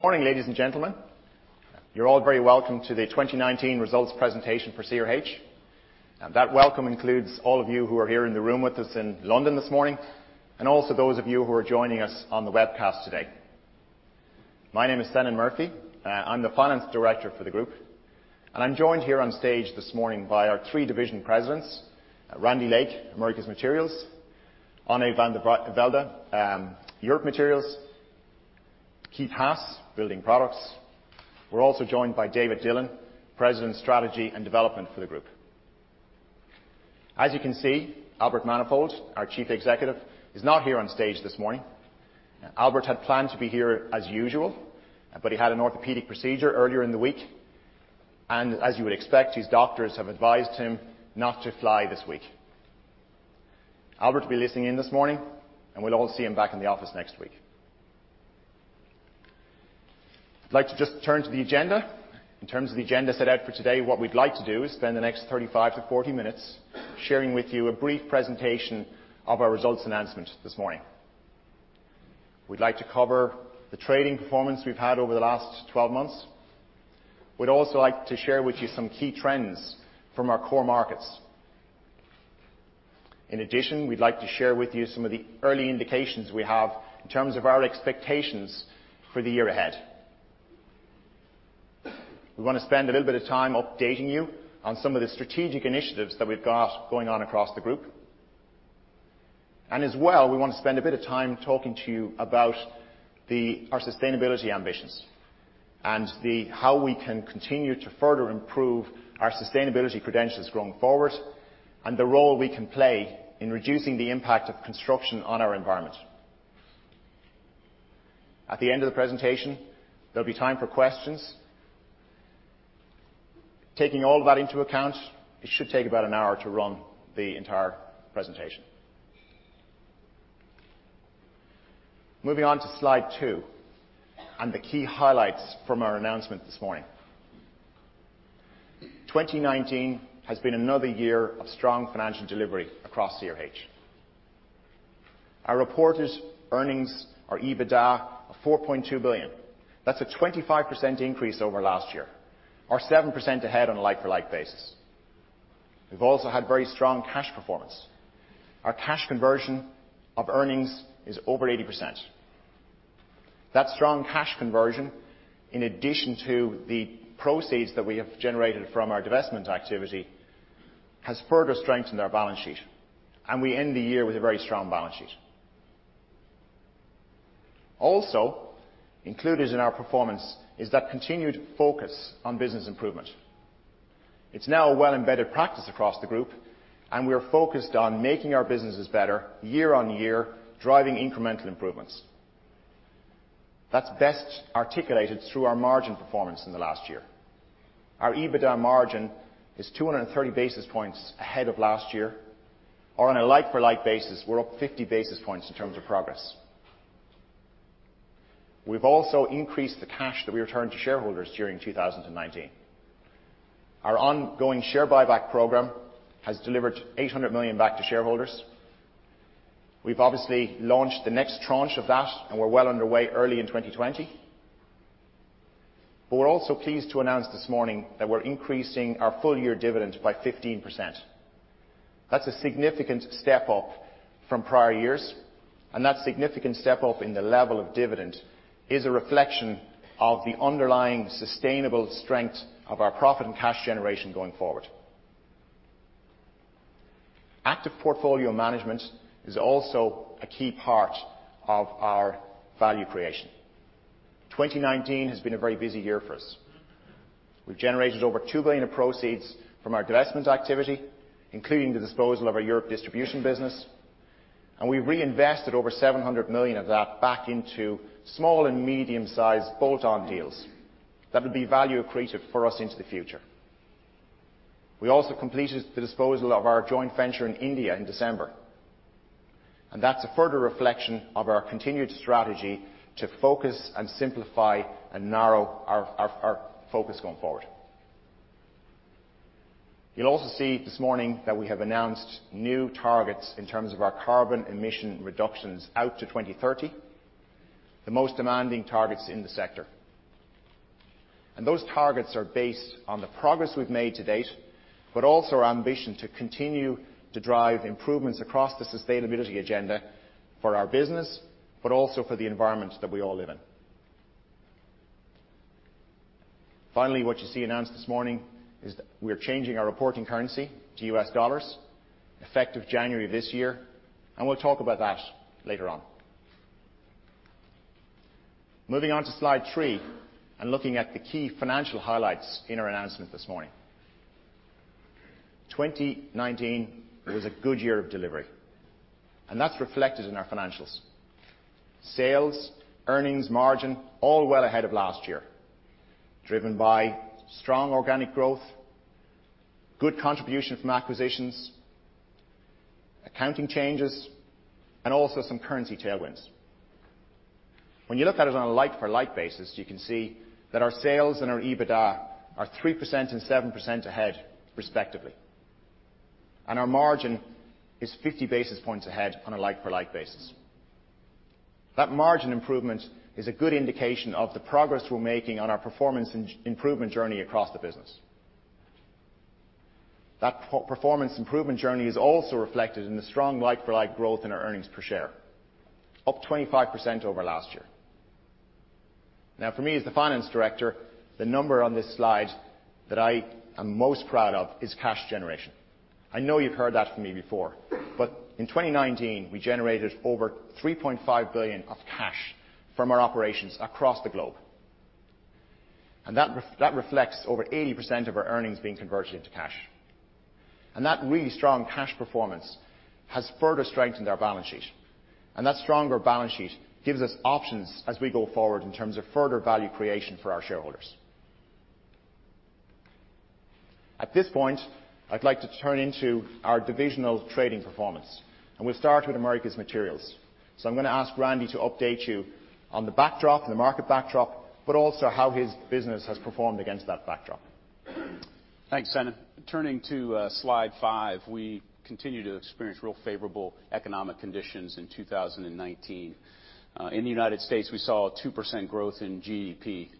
Morning, ladies and gentlemen. You're all very welcome to the 2019 results presentation for CRH. That welcome includes all of you who are here in the room with us in London this morning, and also those of you who are joining us on the webcast today. My name is Senan Murphy. I'm the Finance Director for the group. I'm joined here on stage this morning by our three Division Presidents, Randy Lake, Americas Materials, Onne van der Weijde, Europe Materials, Keith Haas, Building Products. We're also joined by David Dillon, President, Strategy and Development for the group. As you can see, Albert Manifold, our Chief Executive, is not here on stage this morning. Albert had planned to be here as usual, but he had an orthopedic procedure earlier in the week. As you would expect, his doctors have advised him not to fly this week. Albert will be listening in this morning, and we'll all see him back in the office next week. I'd like to just turn to the agenda. In terms of the agenda set out for today, what we'd like to do is spend the next 35 to 40 minutes sharing with you a brief presentation of our results announcement this morning. We'd like to cover the trading performance we've had over the last 12 months. We'd also like to share with you some key trends from our core markets. In addition, we'd like to share with you some of the early indications we have in terms of our expectations for the year ahead. We want to spend a little bit of time updating you on some of the strategic initiatives that we've got going on across the group. As well, we want to spend a bit of time talking to you about our sustainability ambitions and how we can continue to further improve our sustainability credentials going forward, and the role we can play in reducing the impact of construction on our environment. At the end of the presentation, there'll be time for questions. Taking all that into account, it should take about an hour to run the entire presentation. Moving on to slide two and the key highlights from our announcement this morning. 2019 has been another year of strong financial delivery across CRH. Our reported earnings are EBITDA of $4.2 billion. That's a 25% increase over last year, or 7% ahead on a like-for-like basis. We've also had very strong cash performance. Our cash conversion of earnings is over 80%. That strong cash conversion, in addition to the proceeds that we have generated from our divestment activity, has further strengthened our balance sheet, and we end the year with a very strong balance sheet. Also included in our performance is that continued focus on business improvement. It's now a well-embedded practice across the group, and we are focused on making our businesses better year on year, driving incremental improvements. That's best articulated through our margin performance in the last year. Our EBITDA margin is 230 basis points ahead of last year. Or on a like-for-like basis, we're up 50 basis points in terms of progress. We've also increased the cash that we returned to shareholders during 2019. Our ongoing share buyback program has delivered $800 million back to shareholders. We've obviously launched the next tranche of that, and we're well underway early in 2020. We're also pleased to announce this morning that we're increasing our full-year dividend by 15%. That's a significant step up from prior years, and that significant step up in the level of dividend is a reflection of the underlying sustainable strength of our profit and cash generation going forward. Active portfolio management is also a key part of our value creation. 2019 has been a very busy year for us. We've generated over 2 billion of proceeds from our divestment activity, including the disposal of our Europe Distribution business, and we reinvested over 700 million of that back into small and medium-sized bolt-on deals that will be value accretive for us into the future. We also completed the disposal of our joint venture in India in December, and that's a further reflection of our continued strategy to focus and simplify and narrow our focus going forward. You'll also see this morning that we have announced new targets in terms of our carbon emission reductions out to 2030, the most demanding targets in the sector. Those targets are based on the progress we've made to date, but also our ambition to continue to drive improvements across the sustainability agenda for our business, but also for the environment that we all live in. Finally, what you see announced this morning is that we are changing our reporting currency to US dollars effective January this year, and we'll talk about that later on. Moving on to slide three and looking at the key financial highlights in our announcement this morning. 2019 was a good year of delivery, and that's reflected in our financials. Sales, earnings, margin, all well ahead of last year, driven by strong organic growth, good contribution from acquisitions, accounting changes, and also some currency tailwinds. When you look at it on a like-for-like basis, you can see that our sales and our EBITDA are 3% and 7% ahead, respectively. Our margin is 50 basis points ahead on a like-for-like basis. That margin improvement is a good indication of the progress we're making on our performance improvement journey across the business. That performance improvement journey is also reflected in the strong like-for-like growth in our earnings per share, up 25% over last year. Now, for me as the Finance Director, the number on this slide that I am most proud of is cash generation. I know you've heard that from me before, in 2019, we generated over 3.5 billion of cash from our operations across the globe. That reflects over 80% of our earnings being converted into cash. That really strong cash performance has further strengthened our balance sheet. That stronger balance sheet gives us options as we go forward in terms of further value creation for our shareholders. At this point, I'd like to turn into our divisional trading performance, and we'll start with Americas Materials. I'm going to ask Randy to update you on the backdrop, the market backdrop, but also how his business has performed against that backdrop. Thanks, Senan. Turning to slide five, we continued to experience real favorable economic conditions in 2019. In the United States, we saw a 2% growth in GDP.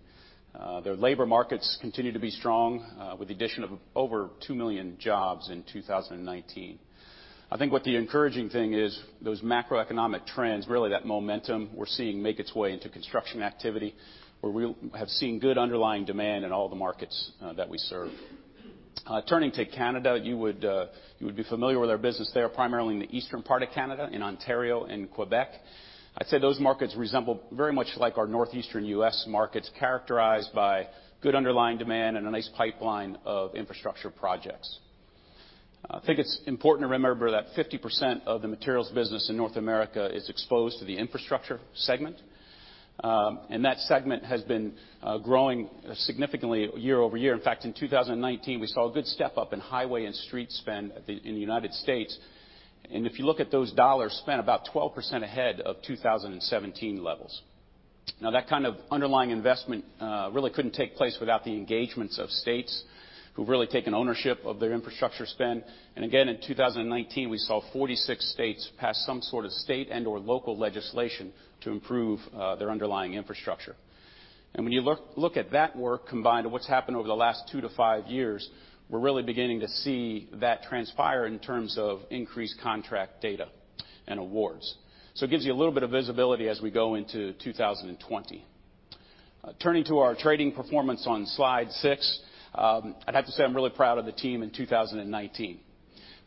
The labor markets continue to be strong, with the addition of over two million jobs in 2019. I think what the encouraging thing is, those macroeconomic trends, really that momentum we're seeing make its way into construction activity, where we have seen good underlying demand in all the markets that we serve. Turning to Canada, you would be familiar with our business there, primarily in the eastern part of Canada, in Ontario and Quebec. I'd say those markets resemble very much like our northeastern U.S. markets, characterized by good underlying demand and a nice pipeline of infrastructure projects. I think it's important to remember that 50% of the materials business in North America is exposed to the infrastructure segment. That segment has been growing significantly year-over-year. In fact, in 2019, we saw a good step up in highway and street spend in the U.S. If you look at those dollars spent, about 12% ahead of 2017 levels. Now, that kind of underlying investment really couldn't take place without the engagements of states who've really taken ownership of their infrastructure spend. Again, in 2019, we saw 46 states pass some sort of state and/or local legislation to improve their underlying infrastructure. When you look at that work combined with what's happened over the last two to five years, we're really beginning to see that transpire in terms of increased contract data and awards. It gives you a little bit of visibility as we go into 2020. Turning to our trading performance on slide six. I'd have to say I'm really proud of the team in 2019.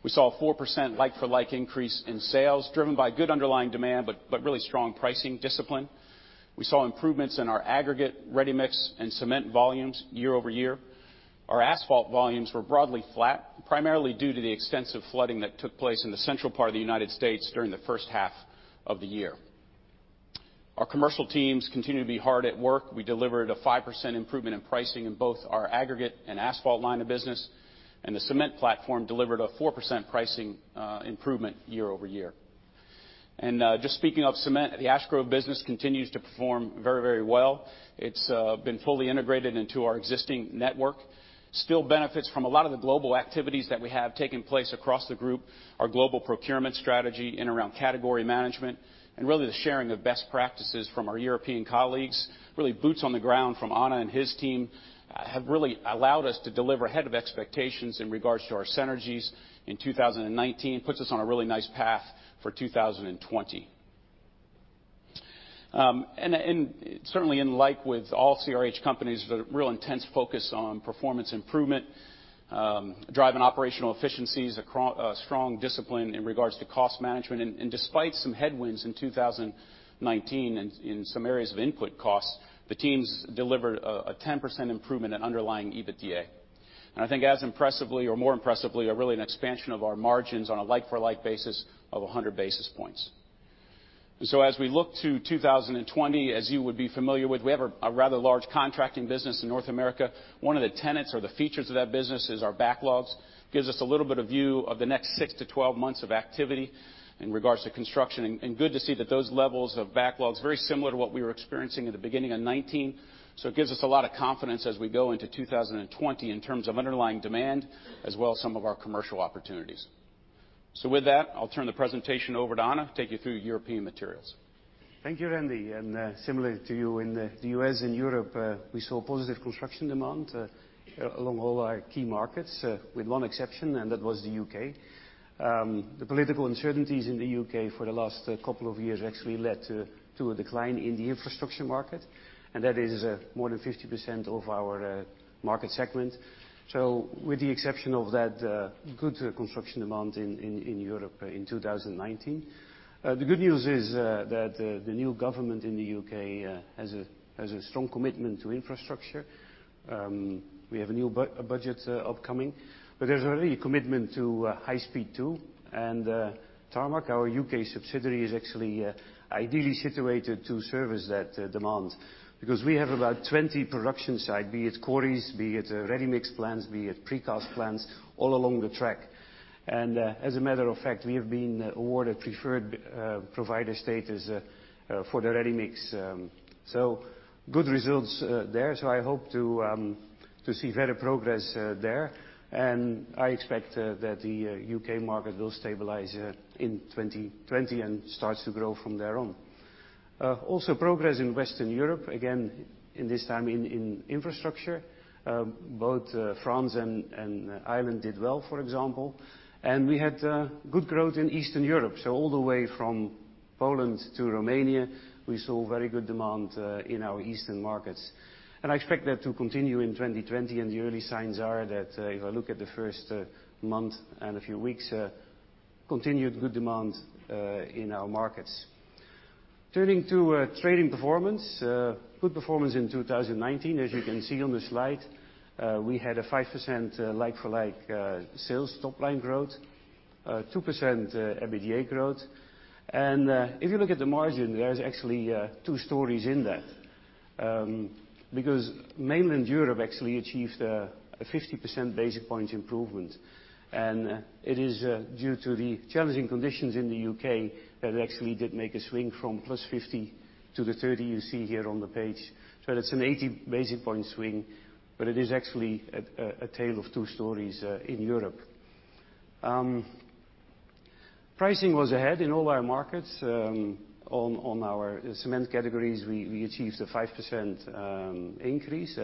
We saw a 4% like-for-like increase in sales, driven by good underlying demand, but really strong pricing discipline. We saw improvements in our aggregate ready-mix and cement volumes year-over-year. Our asphalt volumes were broadly flat, primarily due to the extensive flooding that took place in the central part of the U.S. during the first half of the year. Our commercial teams continue to be hard at work. We delivered a 5% improvement in pricing in both our aggregate and asphalt line of business, and the cement platform delivered a 4% pricing improvement year-over-year. Just speaking of cement, the Ash Grove business continues to perform very well. It's been fully integrated into our existing network. Still benefits from a lot of the global activities that we have taking place across the group. Our global procurement strategy in around category management and really the sharing of best practices from our European colleagues. Really boots on the ground from Onne and his team have really allowed us to deliver ahead of expectations in regards to our synergies in 2019. Puts us on a really nice path for 2020. Certainly in like with all CRH companies, the real intense focus on performance improvement, driving operational efficiencies, a strong discipline in regards to cost management. Despite some headwinds in 2019 in some areas of input costs, the teams delivered a 10% improvement in underlying EBITDA. I think as impressively or more impressively, really an expansion of our margins on a like-for-like basis of 100 basis points. As we look to 2020, as you would be familiar with, we have a rather large contracting business in North America. One of the tenets or the features of that business is our backlogs. Gives us a little bit of view of the next six-12 months of activity in regards to construction. Good to see that those levels of backlogs, very similar to what we were experiencing at the beginning of 2019. It gives us a lot of confidence as we go into 2020 in terms of underlying demand as well as some of our commercial opportunities. With that, I'll turn the presentation over to Onne to take you through Europe Materials. Thank you, Randy. Similar to you in the U.S. and Europe, we saw positive construction demand along all our key markets with one exception, and that was the U.K. The political uncertainties in the U.K. for the last couple of years actually led to a decline in the infrastructure market, and that is more than 50% of our market segment. With the exception of that, good construction demand in Europe in 2019. The good news is that the new government in the U.K. has a strong commitment to infrastructure. We have a new budget upcoming, but there's already a commitment to High Speed Two. Tarmac, our U.K. subsidiary, is actually ideally situated to service that demand because we have about 20 production sites, be it quarries, be it ready-mix plants, be it precast plants, all along the track. As a matter of fact, we have been awarded preferred provider status for the ready mix. Good results there. I hope to see very progress there. I expect that the U.K. market will stabilize in 2020 and start to grow from there on. Also progress in Western Europe, again this time in infrastructure. Both France and Ireland did well, for example. We had good growth in Eastern Europe. All the way from Poland to Romania, we saw very good demand in our eastern markets. I expect that to continue in 2020, and the early signs are that, if I look at the first month and a few weeks, continued good demand in our markets. Turning to trading performance, good performance in 2019, as you can see on the slide. We had a 5% like-for-like sales top-line growth, 2% EBITDA growth. If you look at the margin, there is actually two stories in that. Mainland Europe actually achieved a 50 percentage point improvement, and it is due to the challenging conditions in the U.K. that it actually did make a swing from plus 50 to the 30 you see here on the page. That's an 80 basis point swing, but it is actually a tale of two stories in Europe. Pricing was ahead in all our markets. On our cement categories, we achieved a 5% increase.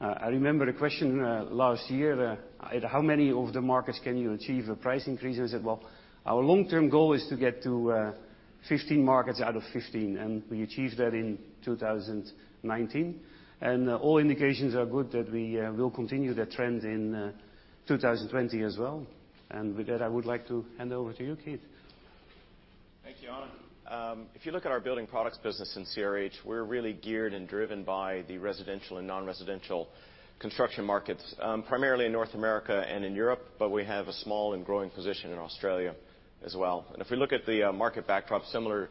I remember a question last year, how many of the markets can you achieve a price increase? I said, "Well, our long-term goal is to get to 15 markets out of 15," and we achieved that in 2019. All indications are good that we will continue the trend in 2020 as well. With that, I would like to hand over to you, Keith. Thank you, Onne. If you look at our Building Products business in CRH, we're really geared and driven by the residential and non-residential construction markets, primarily in North America and in Europe, but we have a small and growing position in Australia as well. If we look at the market backdrop, similar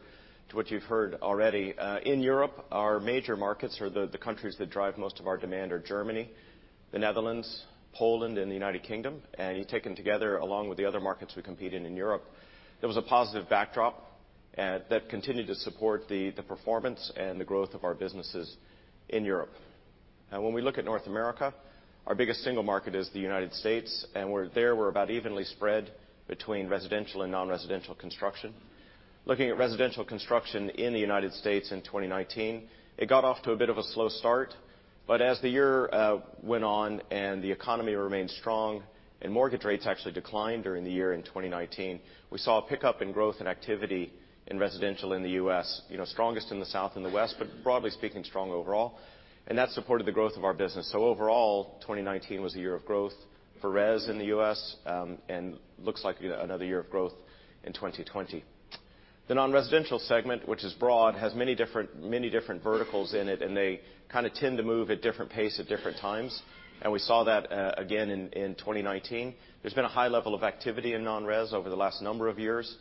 to what you've heard already, in Europe, our major markets or the countries that drive most of our demand are Germany, the Netherlands, Poland, and the United Kingdom. You take them together, along with the other markets we compete in in Europe, there was a positive backdrop that continued to support the performance and the growth of our businesses in Europe. When we look at North America, our biggest single market is the United States, and there we're about evenly spread between residential and non-residential construction. Looking at residential construction in the U.S. in 2019, it got off to a bit of a slow start, as the year went on and the economy remained strong and mortgage rates actually declined during the year in 2019, we saw a pickup in growth and activity in residential in the U.S. Strongest in the South and the West, broadly speaking, strong overall. That supported the growth of our business. Overall, 2019 was a year of growth for res in the U.S., and looks like another year of growth in 2020. The non-residential segment, which is broad, has many different verticals in it, they kind of tend to move at different pace at different times. We saw that again in 2019. There's been a high level of activity in non-res over the last number of years.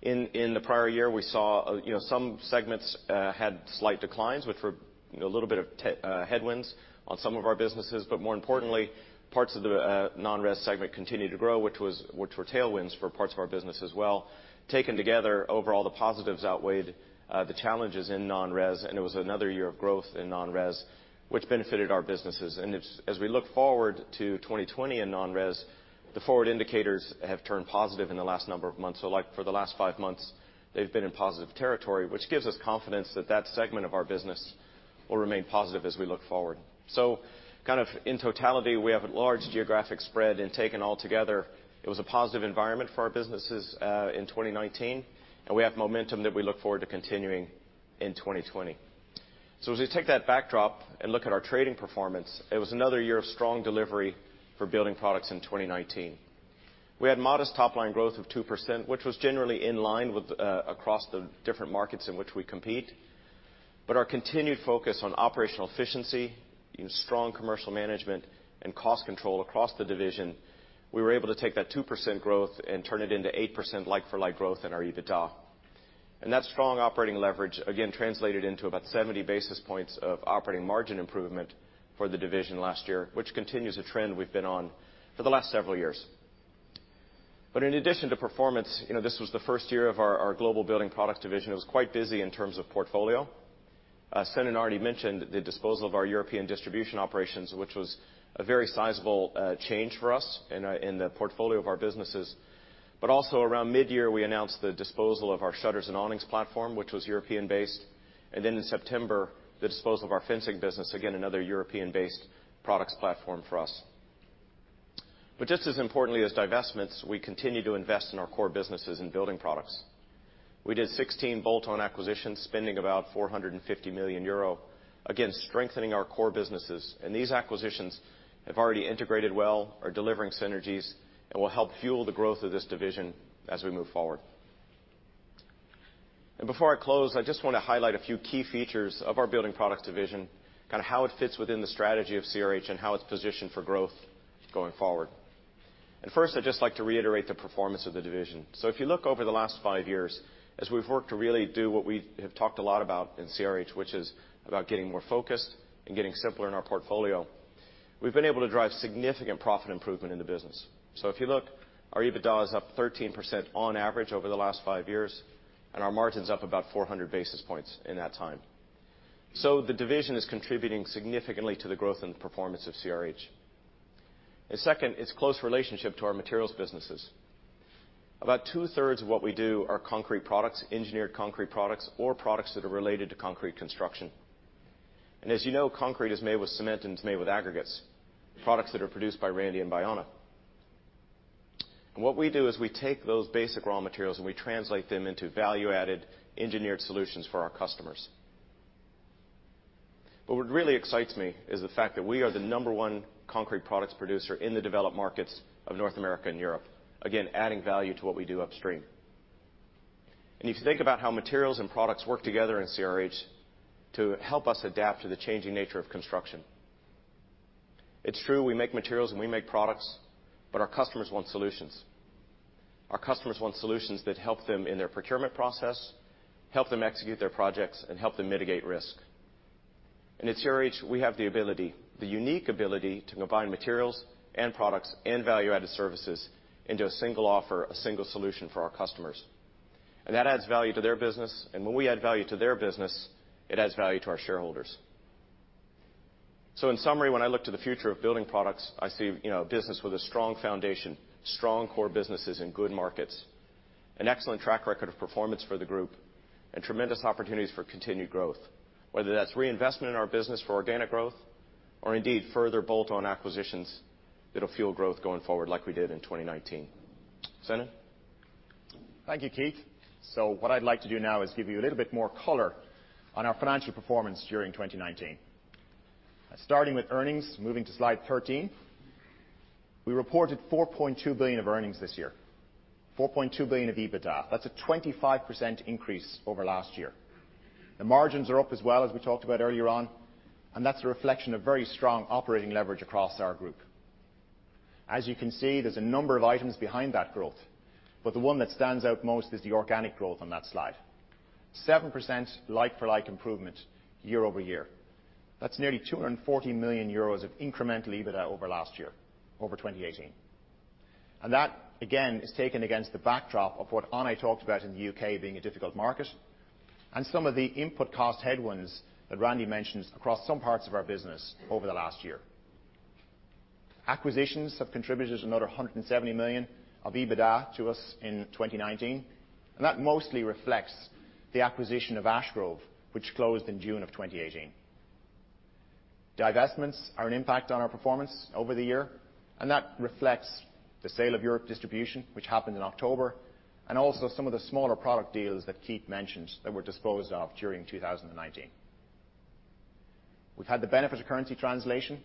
In the prior year, we saw some segments had slight declines, which were a little bit of headwinds on some of our businesses. More importantly, parts of the non-res segment continued to grow, which were tailwinds for parts of our business as well. Taken together, overall, the positives outweighed the challenges in non-res, and it was another year of growth in non-res, which benefited our businesses. As we look forward to 2020 in non-res, the forward indicators have turned positive in the last number of months. For the last five months, they've been in positive territory, which gives us confidence that that segment of our business will remain positive as we look forward. Kind of in totality, we have a large geographic spread, and taken all together, it was a positive environment for our businesses, in 2019. We have momentum that we look forward to continuing in 2020. As we take that backdrop and look at our trading performance, it was another year of strong delivery for Building Products in 2019. We had modest top-line growth of 2%, which was generally in line with across the different markets in which we compete. Our continued focus on operational efficiency, strong commercial management, and cost control across the division, we were able to take that 2% growth and turn it into 8% like-for-like growth in our EBITDA. That strong operating leverage, again, translated into about 70 basis points of operating margin improvement for the division last year, which continues a trend we've been on for the last several years. In addition to performance, this was the first year of our global Building Products division. It was quite busy in terms of portfolio. Senan already mentioned the disposal of our European distribution operations, which was a very sizable change for us in the portfolio of our businesses. Also around mid-year, we announced the disposal of our shutters and awnings platform, which was European-based. Then in September, the disposal of our fencing business, again, another European-based products platform for us. Just as importantly as divestments, we continue to invest in our core businesses in Building Products. We did 16 bolt-on acquisitions, spending about 450 million euro, again, strengthening our core businesses. These acquisitions have already integrated well, are delivering synergies, and will help fuel the growth of this division as we move forward. Before I close, I just want to highlight a few key features of our Building Products division, kind of how it fits within the strategy of CRH, and how it's positioned for growth going forward. First, I'd just like to reiterate the performance of the division. If you look over the last five years, as we've worked to really do what we have talked a lot about in CRH, which is about getting more focused and getting simpler in our portfolio, we've been able to drive significant profit improvement in the business. If you look, our EBITDA is up 13% on average over the last five years, and our margin's up about 400 basis points in that time. The division is contributing significantly to the growth and the performance of CRH. Second, its close relationship to our materials businesses. About two-thirds of what we do are concrete products, engineered concrete products, or products that are related to concrete construction. As you know, concrete is made with cement and it's made with aggregates, products that are produced by Randy and by Onne. What we do is we take those basic raw materials and we translate them into value-added engineered solutions for our customers. What really excites me is the fact that we are the number one concrete products producer in the developed markets of North America and Europe, again, adding value to what we do upstream. If you think about how materials and products work together in CRH to help us adapt to the changing nature of construction. It's true, we make materials and we make products, but our customers want solutions. Our customers want solutions that help them in their procurement process, help them execute their projects, and help them mitigate risk. At CRH, we have the ability, the unique ability, to combine materials and products and value-added services into a single offer, a single solution for our customers. That adds value to their business. When we add value to their business, it adds value to our shareholders. In summary, when I look to the future of Building Products, I see a business with a strong foundation, strong core businesses in good markets, an excellent track record of performance for the group, and tremendous opportunities for continued growth, whether that's reinvestment in our business for organic growth or indeed further bolt-on acquisitions that'll fuel growth going forward like we did in 2019. Senan? Thank you, Keith. What I'd like to do now is give you a little bit more color on our financial performance during 2019. Starting with earnings, moving to slide 13. We reported $4.2 billion of earnings this year, $4.2 billion of EBITDA. That's a 25% increase over last year. The margins are up as well, as we talked about earlier on, that's a reflection of very strong operating leverage across our group. As you can see, there's a number of items behind that growth, the one that stands out most is the organic growth on that slide. 7% like-for-like improvement year-over-year. That's nearly €240 million of incremental EBITDA over last year, over 2018. That, again, is taken against the backdrop of what Ana talked about in the U.K. being a difficult market and some of the input cost headwinds that Randy mentioned across some parts of our business over the last year. Acquisitions have contributed another 170 million of EBITDA to us in 2019, and that mostly reflects the acquisition of Ash Grove, which closed in June of 2018. Divestments are an impact on our performance over the year, and that reflects the sale of Europe Distribution, which happened in October, and also some of the smaller product deals that Keith mentioned that were disposed of during 2019. We've had the benefit of currency translation,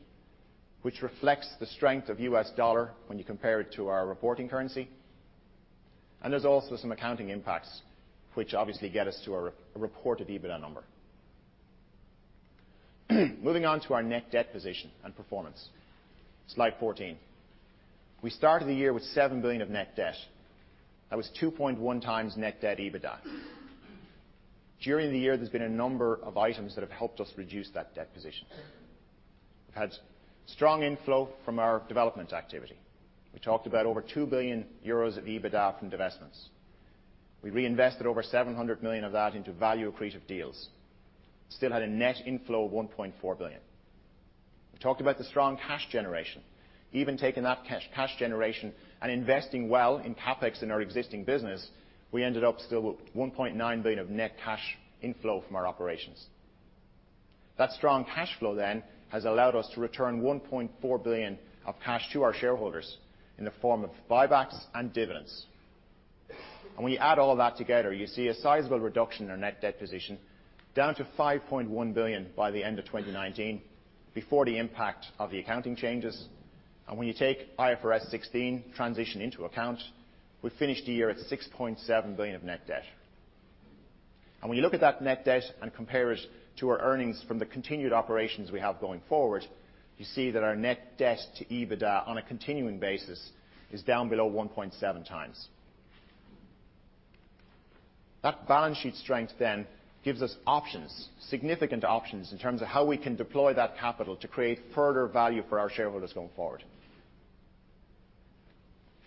which reflects the strength of U.S. dollar when you compare it to our reporting currency. There's also some accounting impacts, which obviously get us to a reported EBITDA number. Moving on to our net debt position and performance. Slide 14. We started the year with $7 billion of net debt. That was 2.1 times net debt EBITDA. During the year, there's been a number of items that have helped us reduce that debt position. We've had strong inflow from our development activity. We talked about over 2 billion euros of EBITDA from divestments. We reinvested over $700 million of that into value accretive deals. Still had a net inflow of $1.4 billion. We talked about the strong cash generation. Even taking that cash generation and investing well in CapEx in our existing business, we ended up still with $1.9 billion of net cash inflow from our operations. That strong cash flow has allowed us to return $1.4 billion of cash to our shareholders in the form of buybacks and dividends. When you add all that together, you see a sizable reduction in our net debt position down to 5.1 billion by the end of 2019 before the impact of the accounting changes. When you take IFRS 16 transition into account, we finished the year at 6.7 billion of net debt. When you look at that net debt and compare it to our earnings from the continued operations we have going forward, you see that our net debt to EBITDA on a continuing basis is down below 1.7 times. That balance sheet strength gives us options, significant options, in terms of how we can deploy that capital to create further value for our shareholders going forward.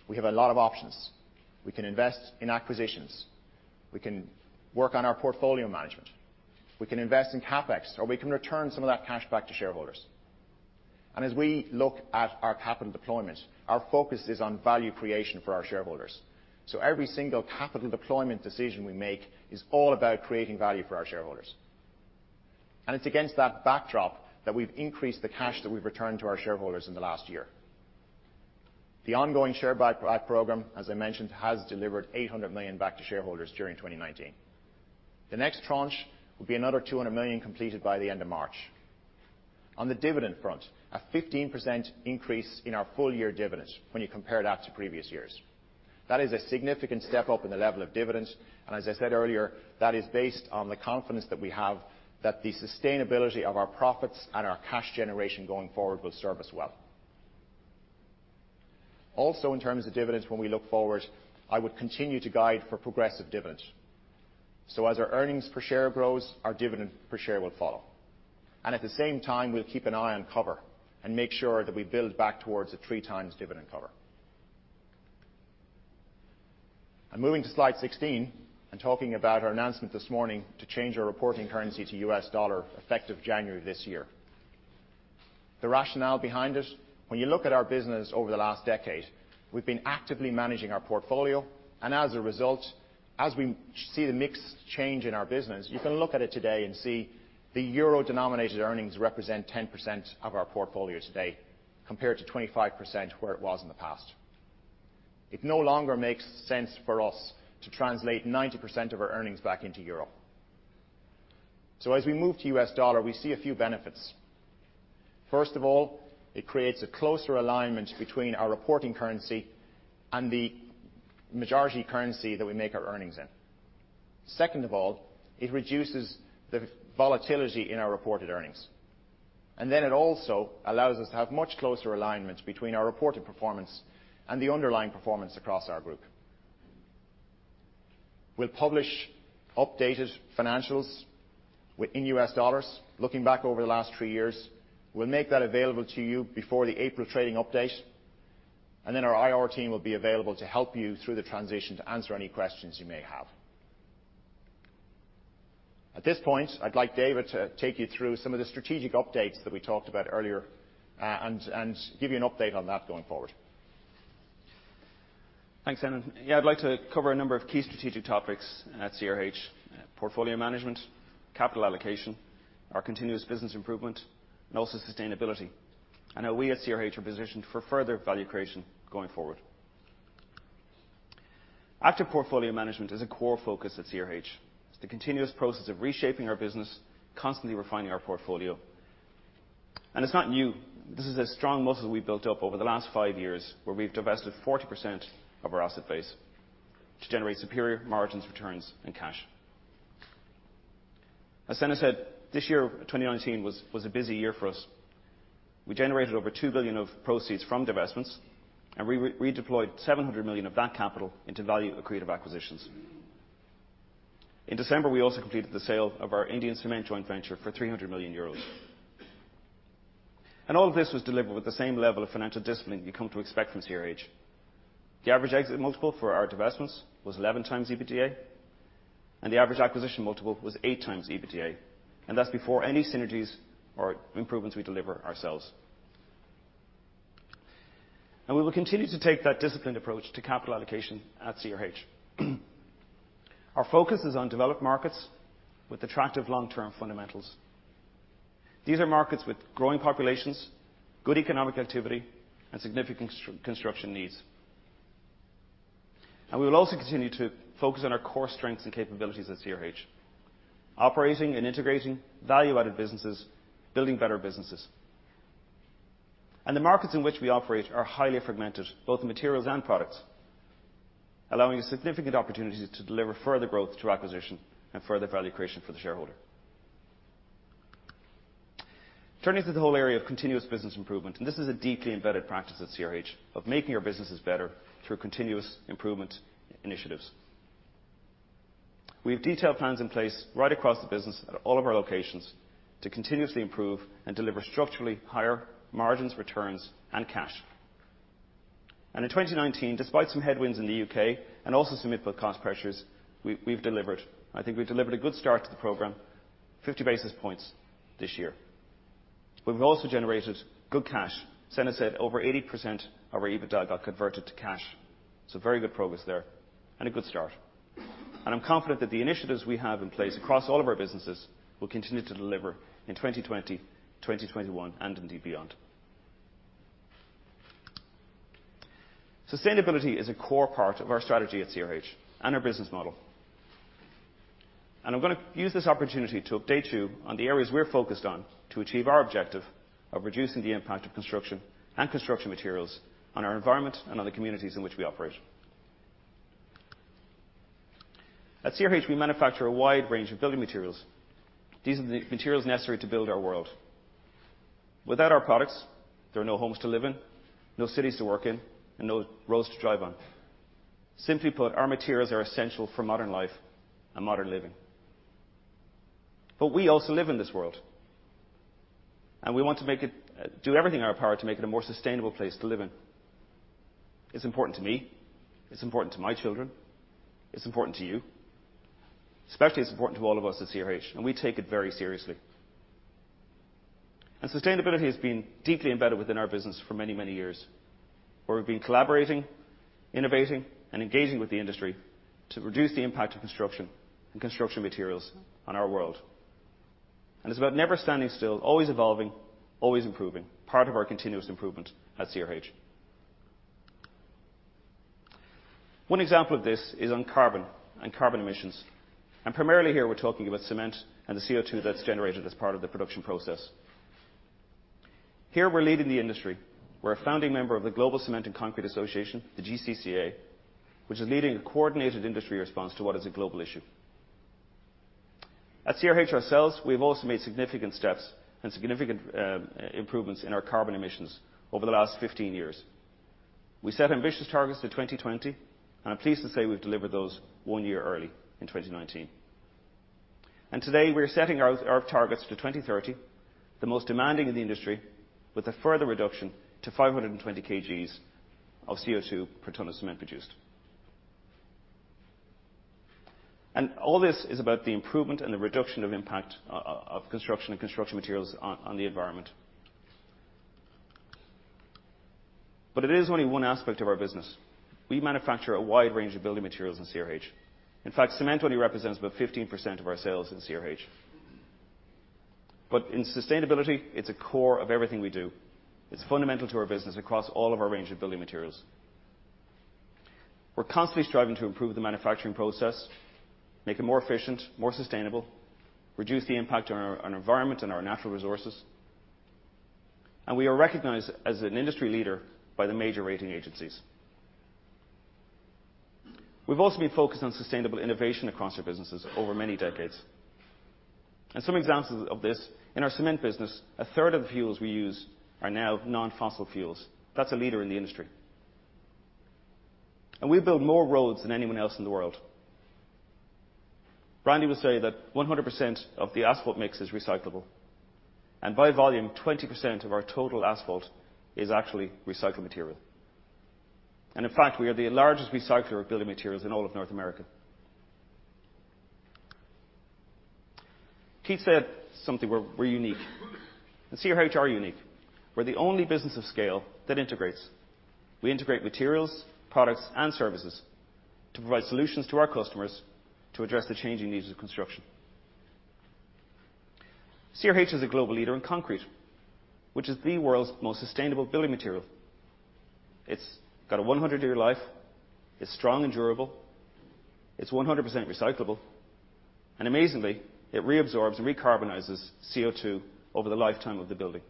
We have a lot of options. We can invest in acquisitions. We can work on our portfolio management. We can invest in CapEx, we can return some of that cash back to shareholders. As we look at our capital deployment, our focus is on value creation for our shareholders. Every single capital deployment decision we make is all about creating value for our shareholders. It's against that backdrop that we've increased the cash that we've returned to our shareholders in the last year. The ongoing share buyback program, as I mentioned, has delivered 800 million back to shareholders during 2019. The next tranche will be another 200 million completed by the end of March. On the dividend front, a 15% increase in our full year dividend when you compare that to previous years. That is a significant step up in the level of dividends. As I said earlier, that is based on the confidence that we have that the sustainability of our profits and our cash generation going forward will serve us well. Also, in terms of dividends when we look forward, I would continue to guide for progressive dividends. As our earnings per share grows, our dividend per share will follow. At the same time, we'll keep an eye on cover and make sure that we build back towards the three times dividend cover. Moving to slide 16 and talking about our announcement this morning to change our reporting currency to U.S. dollar effective January this year. The rationale behind it, when you look at our business over the last decade, we've been actively managing our portfolio and as a result, as we see the mix change in our business, you can look at it today and see the EUR-denominated earnings represent 10% of our portfolio today, compared to 25% where it was in the past. It no longer makes sense for us to translate 90% of our earnings back into EUR. As we move to U.S. dollar, we see a few benefits. First of all, it creates a closer alignment between our reporting currency and the majority currency that we make our earnings in. Second of all, it reduces the volatility in our reported earnings. It also allows us to have much closer alignment between our reported performance and the underlying performance across our group. We'll publish updated financials within U.S. dollars looking back over the last three years. We'll make that available to you before the April trading update, and then our IR team will be available to help you through the transition to answer any questions you may have. At this point, I'd like David to take you through some of the strategic updates that we talked about earlier, and give you an update on that going forward. Thanks, Senan. I'd like to cover a number of key strategic topics at CRH: portfolio management, capital allocation, our continuous business improvement, and also sustainability, and how we at CRH are positioned for further value creation going forward. Active portfolio management is a core focus at CRH. It's the continuous process of reshaping our business, constantly refining our portfolio. It's not new. This is a strong muscle we've built up over the last five years, where we've divested 40% of our asset base to generate superior margins, returns, and cash. As Senan said, this year, 2019, was a busy year for us. We generated over 2 billion of proceeds from divestments, and redeployed 700 million of that capital into value-accretive acquisitions. In December, we also completed the sale of our Indian cement joint venture for 300 million euros. All of this was delivered with the same level of financial discipline you've come to expect from CRH. The average exit multiple for our divestments was 11x EBITDA, and the average acquisition multiple was 8x EBITDA, and that's before any synergies or improvements we deliver ourselves. We will continue to take that disciplined approach to capital allocation at CRH. Our focus is on developed markets with attractive long-term fundamentals. These are markets with growing populations, good economic activity, and significant construction needs. We will also continue to focus on our core strengths and capabilities at CRH. Operating and integrating value-added businesses, building better businesses. The markets in which we operate are highly fragmented, both in materials and products, allowing significant opportunities to deliver further growth through acquisition and further value creation for the shareholder. Turning to the whole area of continuous business improvement, this is a deeply embedded practice at CRH of making our businesses better through continuous improvement initiatives. We have detailed plans in place right across the business at all of our locations to continuously improve and deliver structurally higher margins, returns, and cash. In 2019, despite some headwinds in the U.K. and also some input cost pressures, we've delivered. I think we've delivered a good start to the program, 50 basis points this year. We've also generated good cash. Senan said over 80% of our EBITDA got converted to cash, so very good progress there and a good start. I'm confident that the initiatives we have in place across all of our businesses will continue to deliver in 2020, 2021, and indeed beyond. Sustainability is a core part of our strategy at CRH and our business model. I'm going to use this opportunity to update you on the areas we're focused on to achieve our objective of reducing the impact of construction and construction materials on our environment and on the communities in which we operate. At CRH, we manufacture a wide range of building materials. These are the materials necessary to build our world. Without our products, there are no homes to live in, no cities to work in, and no roads to drive on. Simply put, our materials are essential for modern life and modern living. We also live in this world, and we want to do everything in our power to make it a more sustainable place to live in. It's important to me, it's important to my children, it's important to you. Especially, it's important to all of us at CRH, and we take it very seriously. Sustainability has been deeply embedded within our business for many, many years, where we've been collaborating, innovating, and engaging with the industry to reduce the impact of construction and construction materials on our world. It's about never standing still, always evolving, always improving, part of our continuous improvement at CRH. One example of this is on carbon and carbon emissions. Primarily here we're talking about cement and the CO2 that's generated as part of the production process. Here we're leading the industry. We're a founding member of the Global Cement and Concrete Association, the GCCA, which is leading a coordinated industry response to what is a global issue. At CRH ourselves, we've also made significant steps and significant improvements in our carbon emissions over the last 15 years. We set ambitious targets to 2020, I'm pleased to say we've delivered those one year early in 2019. Today, we're setting our targets to 2030, the most demanding in the industry, with a further reduction to 520 kgs of CO2 per ton of cement produced. All this is about the improvement and the reduction of impact of construction and construction materials on the environment. It is only one aspect of our business. We manufacture a wide range of building materials in CRH. In fact, cement only represents about 15% of our sales in CRH. In sustainability, it's a core of everything we do. It's fundamental to our business across all of our range of building materials. We're constantly striving to improve the manufacturing process, make it more efficient, more sustainable, reduce the impact on our environment and our natural resources, we are recognized as an industry leader by the major rating agencies. We've also been focused on sustainable innovation across our businesses over many decades. Some examples of this, in our cement business, a third of the fuels we use are now non-fossil fuels. That's a leader in the industry. We build more roads than anyone else in the world. Randy will say that 100% of the asphalt mix is recyclable. By volume, 20% of our total asphalt is actually recycled material. In fact, we are the largest recycler of building materials in all of North America. Keith said something, we're unique. CRH are unique. We're the only business of scale that integrates. We integrate materials, products, and services to provide solutions to our customers to address the changing needs of construction. CRH is a global leader in concrete, which is the world's most sustainable building material. It's got a 100-year life. It's strong and durable. It's 100% recyclable. Amazingly, it reabsorbs and re-carbonizes CO2 over the lifetime of the building.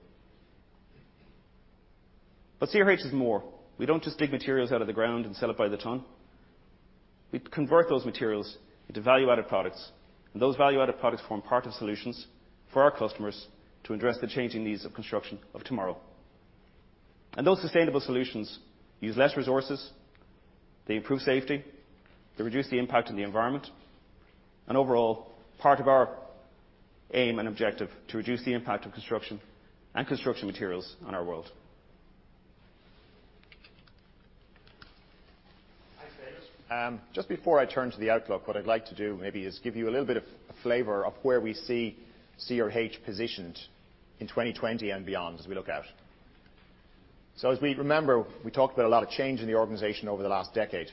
CRH is more. We don't just dig materials out of the ground and sell it by the ton. We convert those materials into value-added products, and those value-added products form part of solutions for our customers to address the changing needs of construction of tomorrow. Those sustainable solutions use less resources, they improve safety, they reduce the impact on the environment, and overall, part of our aim and objective to reduce the impact of construction and construction materials on our world. Thanks, Dillon. Just before I turn to the outlook, what I'd like to do maybe is give you a little bit of a flavor of where we see CRH positioned in 2020 and beyond as we look out. As we remember, we talked about a lot of change in the organization over the last decade.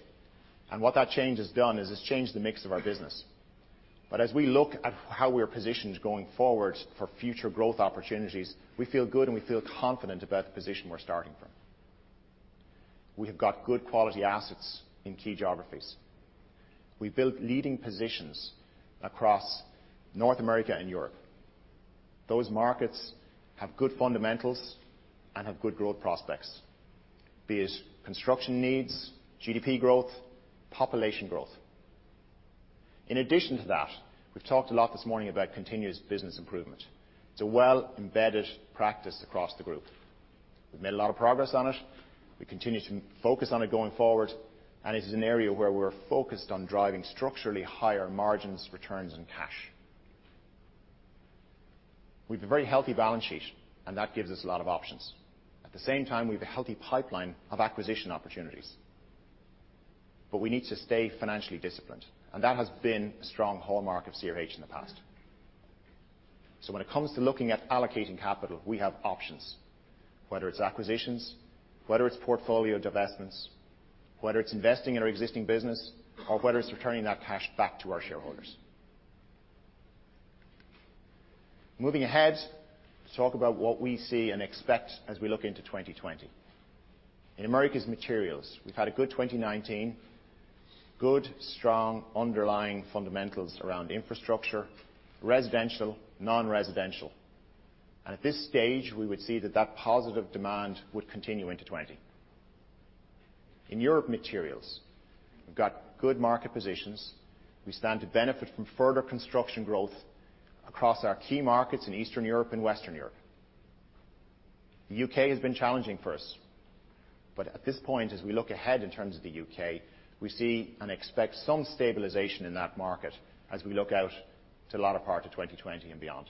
What that change has done is it's changed the mix of our business. As we look at how we're positioned going forward for future growth opportunities, we feel good and we feel confident about the position we're starting from. We have got good quality assets in key geographies. We built leading positions across North America and Europe. Those markets have good fundamentals and have good growth prospects, be it construction needs, GDP growth, population growth. In addition to that, we've talked a lot this morning about continuous business improvement. It's a well-embedded practice across the group. We've made a lot of progress on it. We continue to focus on it going forward. It is an area where we're focused on driving structurally higher margins, returns, and cash. We've a very healthy balance sheet. That gives us a lot of options. At the same time, we've a healthy pipeline of acquisition opportunities. We need to stay financially disciplined. That has been a strong hallmark of CRH in the past. When it comes to looking at allocating capital, we have options, whether it's acquisitions, whether it's portfolio divestments, whether it's investing in our existing business, or whether it's returning that cash back to our shareholders. Moving ahead to talk about what we see and expect as we look into 2020. In Americas Materials, we've had a good 2019. Good, strong, underlying fundamentals around infrastructure, residential, non-residential. At this stage, we would see that positive demand would continue into 2020. In Europe Materials, we've got good market positions. We stand to benefit from further construction growth across our key markets in Eastern Europe and Western Europe. The U.K. has been challenging for us. At this point, as we look ahead in terms of the U.K., we see and expect some stabilization in that market as we look out to the latter part of 2020 and beyond.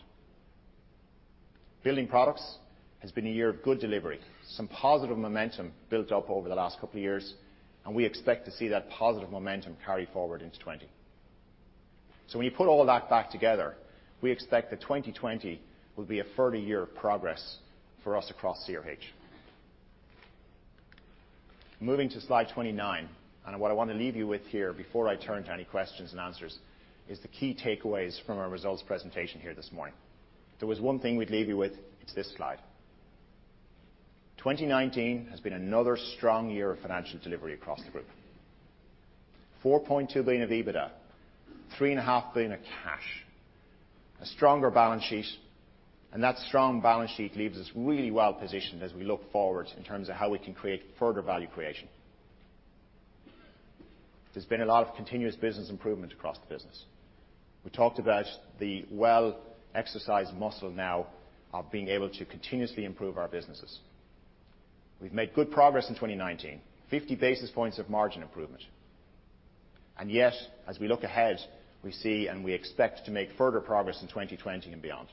Building Products has been a year of good delivery. Some positive momentum built up over the last couple of years, and we expect to see that positive momentum carry forward into 2020. When you put all that back together, we expect that 2020 will be a further year of progress for us across CRH. Moving to slide 29. What I want to leave you with here before I turn to any questions and answers is the key takeaways from our results presentation here this morning. If there was one thing we'd leave you with, it's this slide. 2019 has been another strong year of financial delivery across the group. 4.2 billion of EBITDA, 3.5 billion of cash. A stronger balance sheet. That strong balance sheet leaves us really well positioned as we look forward in terms of how we can create further value creation. There's been a lot of continuous business improvement across the business. We talked about the well-exercised muscle now of being able to continuously improve our businesses. We've made good progress in 2019, 50 basis points of margin improvement. Yet, as we look ahead, we see and we expect to make further progress in 2020 and beyond.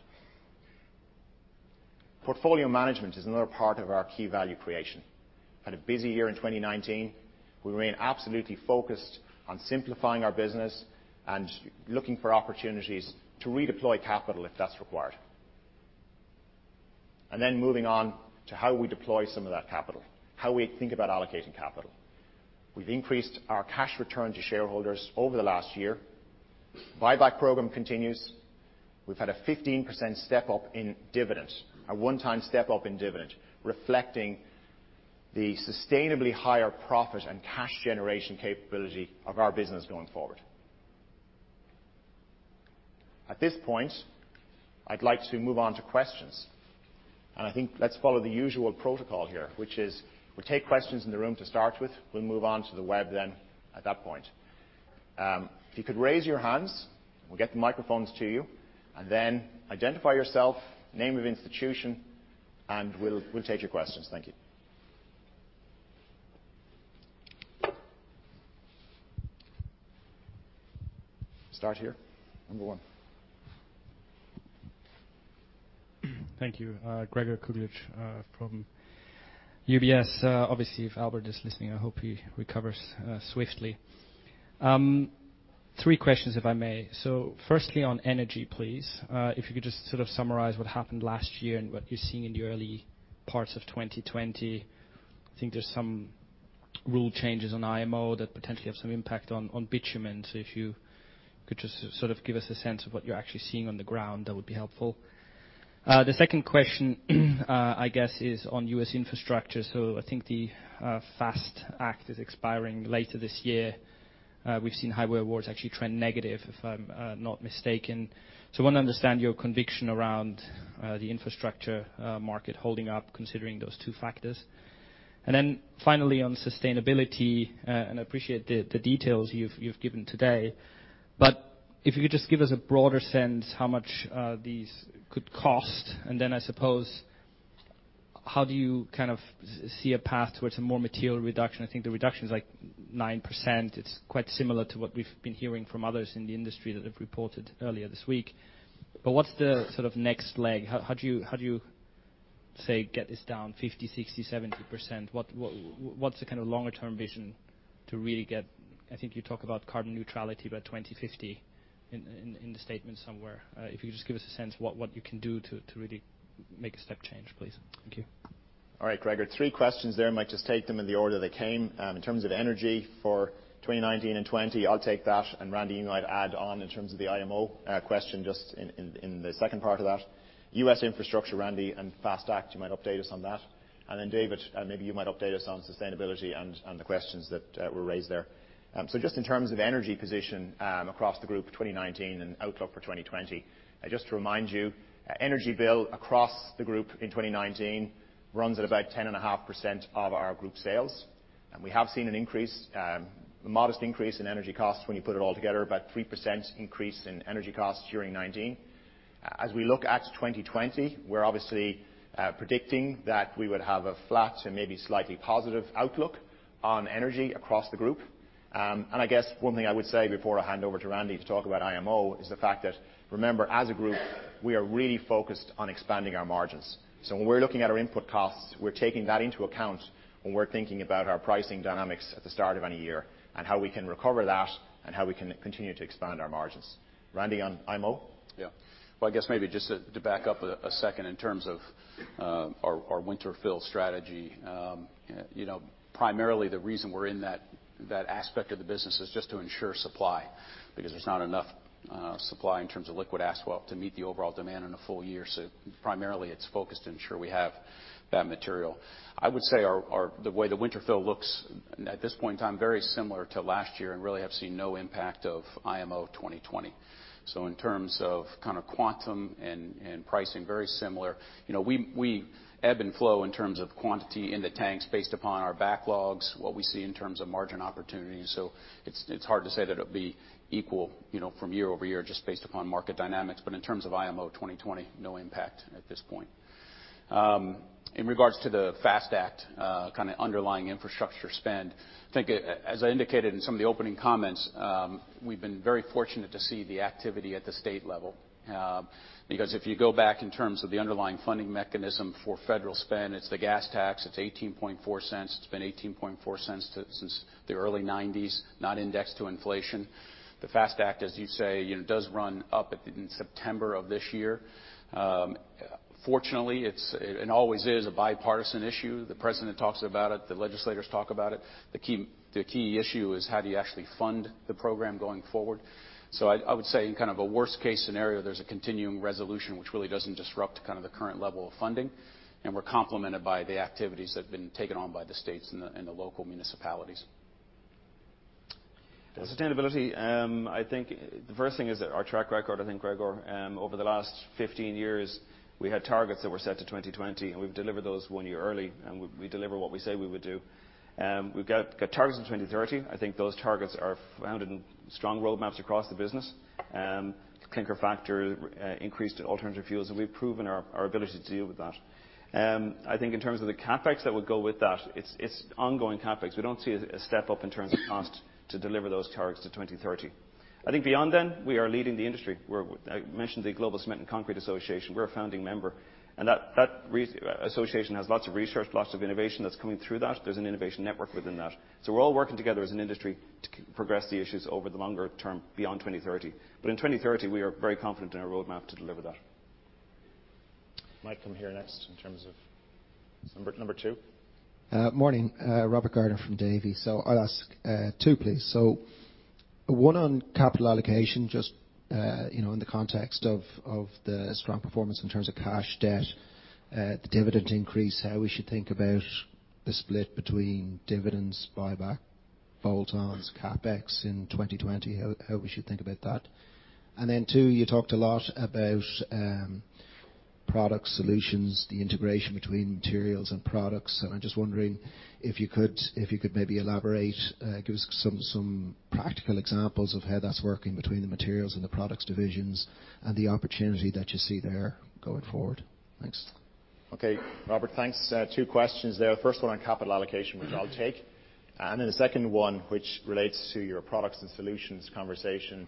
Portfolio management is another part of our key value creation. Had a busy year in 2019. We remain absolutely focused on simplifying our business and looking for opportunities to redeploy capital if that's required. Moving on to how we deploy some of that capital, how we think about allocating capital. We've increased our cash return to shareholders over the last year. Buyback program continues. We've had a 15% step-up in dividends, a one-time step-up in dividend, reflecting the sustainably higher profit and cash generation capability of our business going forward. At this point, I'd like to move on to questions. I think let's follow the usual protocol here, which is we take questions in the room to start with, we'll move on to the web then, at that point. If you could raise your hands, we'll get the microphones to you, and then identify yourself, name of institution, and we'll take your questions. Thank you. Start here. Number one. Thank you. Gregor Kuglitsch from UBS. Obviously, if Albert is listening, I hope he recovers swiftly. three questions, if I may. Firstly, on energy, please. If you could just sort of summarize what happened last year and what you're seeing in the early parts of 2020. I think there's some rule changes on IMO that potentially have some impact on bitumen. If you could just sort of give us a sense of what you're actually seeing on the ground, that would be helpful. The second question, I guess, is on U.S. infrastructure. I think the FAST Act is expiring later this year. We've seen highway awards actually trend negative, if I'm not mistaken. I want to understand your conviction around the infrastructure market holding up, considering those two factors. Finally, on sustainability, I appreciate the details you've given today, if you could just give us a broader sense how much these could cost, I suppose, how do you kind of see a path towards a more material reduction? I think the reduction is like 9%. It's quite similar to what we've been hearing from others in the industry that have reported earlier this week. What's the sort of next leg? How do you, say, get this down 50%, 60%, 70%? What's the kind of longer term vision to really get I think you talk about carbon neutrality by 2050 in the statement somewhere. If you could just give us a sense what you can do to really make a step change, please. Thank you. All right, Gregor, three questions there. Might just take them in the order they came. In terms of energy for 2019 and 2020, I'll take that. Randy, you might add on in terms of the IMO question just in the second part of that. U.S. infrastructure, Randy, FAST Act, you might update us on that. David, maybe you might update us on sustainability and the questions that were raised there. Just in terms of energy position across the group 2019 and outlook for 2020. Just to remind you, energy bill across the group in 2019 runs at about 10.5% of our group sales. We have seen an increase, a modest increase in energy costs when you put it all together, about 3% increase in energy costs during 2019. As we look at 2020, we're obviously predicting that we would have a flat to maybe slightly positive outlook on energy across the group. I guess one thing I would say before I hand over to Randy to talk about IMO is the fact that, remember, as a group, we are really focused on expanding our margins. When we're looking at our input costs, we're taking that into account when we're thinking about our pricing dynamics at the start of any year and how we can recover that and how we can continue to expand our margins. Randy, on IMO? Yeah. Well, I guess maybe just to back up a second in terms of our winter fill strategy. Primarily the reason we're in that aspect of the business is just to ensure supply, because there's not enough supply in terms of liquid asphalt to meet the overall demand in a full year. Primarily it's focused to ensure we have that material. I would say the way the winter fill looks at this point in time, very similar to last year and really have seen no impact of IMO 2020. In terms of kind of quantum and pricing, very similar. We ebb and flow in terms of quantity in the tanks based upon our backlogs, what we see in terms of margin opportunities. It's hard to say that it'll be equal from year-over-year just based upon market dynamics. In terms of IMO 2020, no impact at this point. In regards to the FAST Act, kind of underlying infrastructure spend, I think as I indicated in some of the opening comments, we've been very fortunate to see the activity at the state level. If you go back in terms of the underlying funding mechanism for federal spend, it's the gas tax, it's $0.184. It's been $0.184 since the early 1990s, not indexed to inflation. The FAST Act, as you say, does run up in September of this year. Fortunately, it's and always is a bipartisan issue. The President talks about it. The legislators talk about it. The key issue is how do you actually fund the program going forward? I would say in kind of a worst case scenario, there's a continuing resolution which really doesn't disrupt kind of the current level of funding, and we're complemented by the activities that have been taken on by the states and the local municipalities. The sustainability, I think the first thing is our track record, Gregor. Over the last 15 years, we had targets that were set to 2020, and we've delivered those one year early, and we deliver what we say we would do. We've got targets in 2030. I think those targets are founded in strong roadmaps across the business. Clinker factor increased alternative fuels, and we've proven our ability to deal with that. I think in terms of the CapEx that would go with that, it's ongoing CapEx. We don't see a step-up in terms of cost to deliver those targets to 2030. I think beyond then, we are leading the industry. I mentioned the Global Cement and Concrete Association. We're a founding member, and that association has lots of research, lots of innovation that's coming through that. There's an innovation network within that. We're all working together as an industry to progress the issues over the longer term, beyond 2030. In 2030, we are very confident in our roadmap to deliver that. Mike, come here next in terms of number two. Morning. Robert Gardiner from Davy. I'll ask two, please. one on capital allocation, just in the context of the strong performance in terms of cash debt, the dividend increase, how we should think about the split between dividends, buyback, bolt-ons, CapEx in 2020, how we should think about that. two, you talked a lot about product solutions, the integration between materials and products. I'm just wondering if you could maybe elaborate, give us some practical examples of how that's working between the materials and the products divisions and the opportunity that you see there going forward. Thanks. Okay. Robert, thanks. Two questions there. First one on capital allocation, which I'll take, and then a second one, which relates to your products and solutions conversation.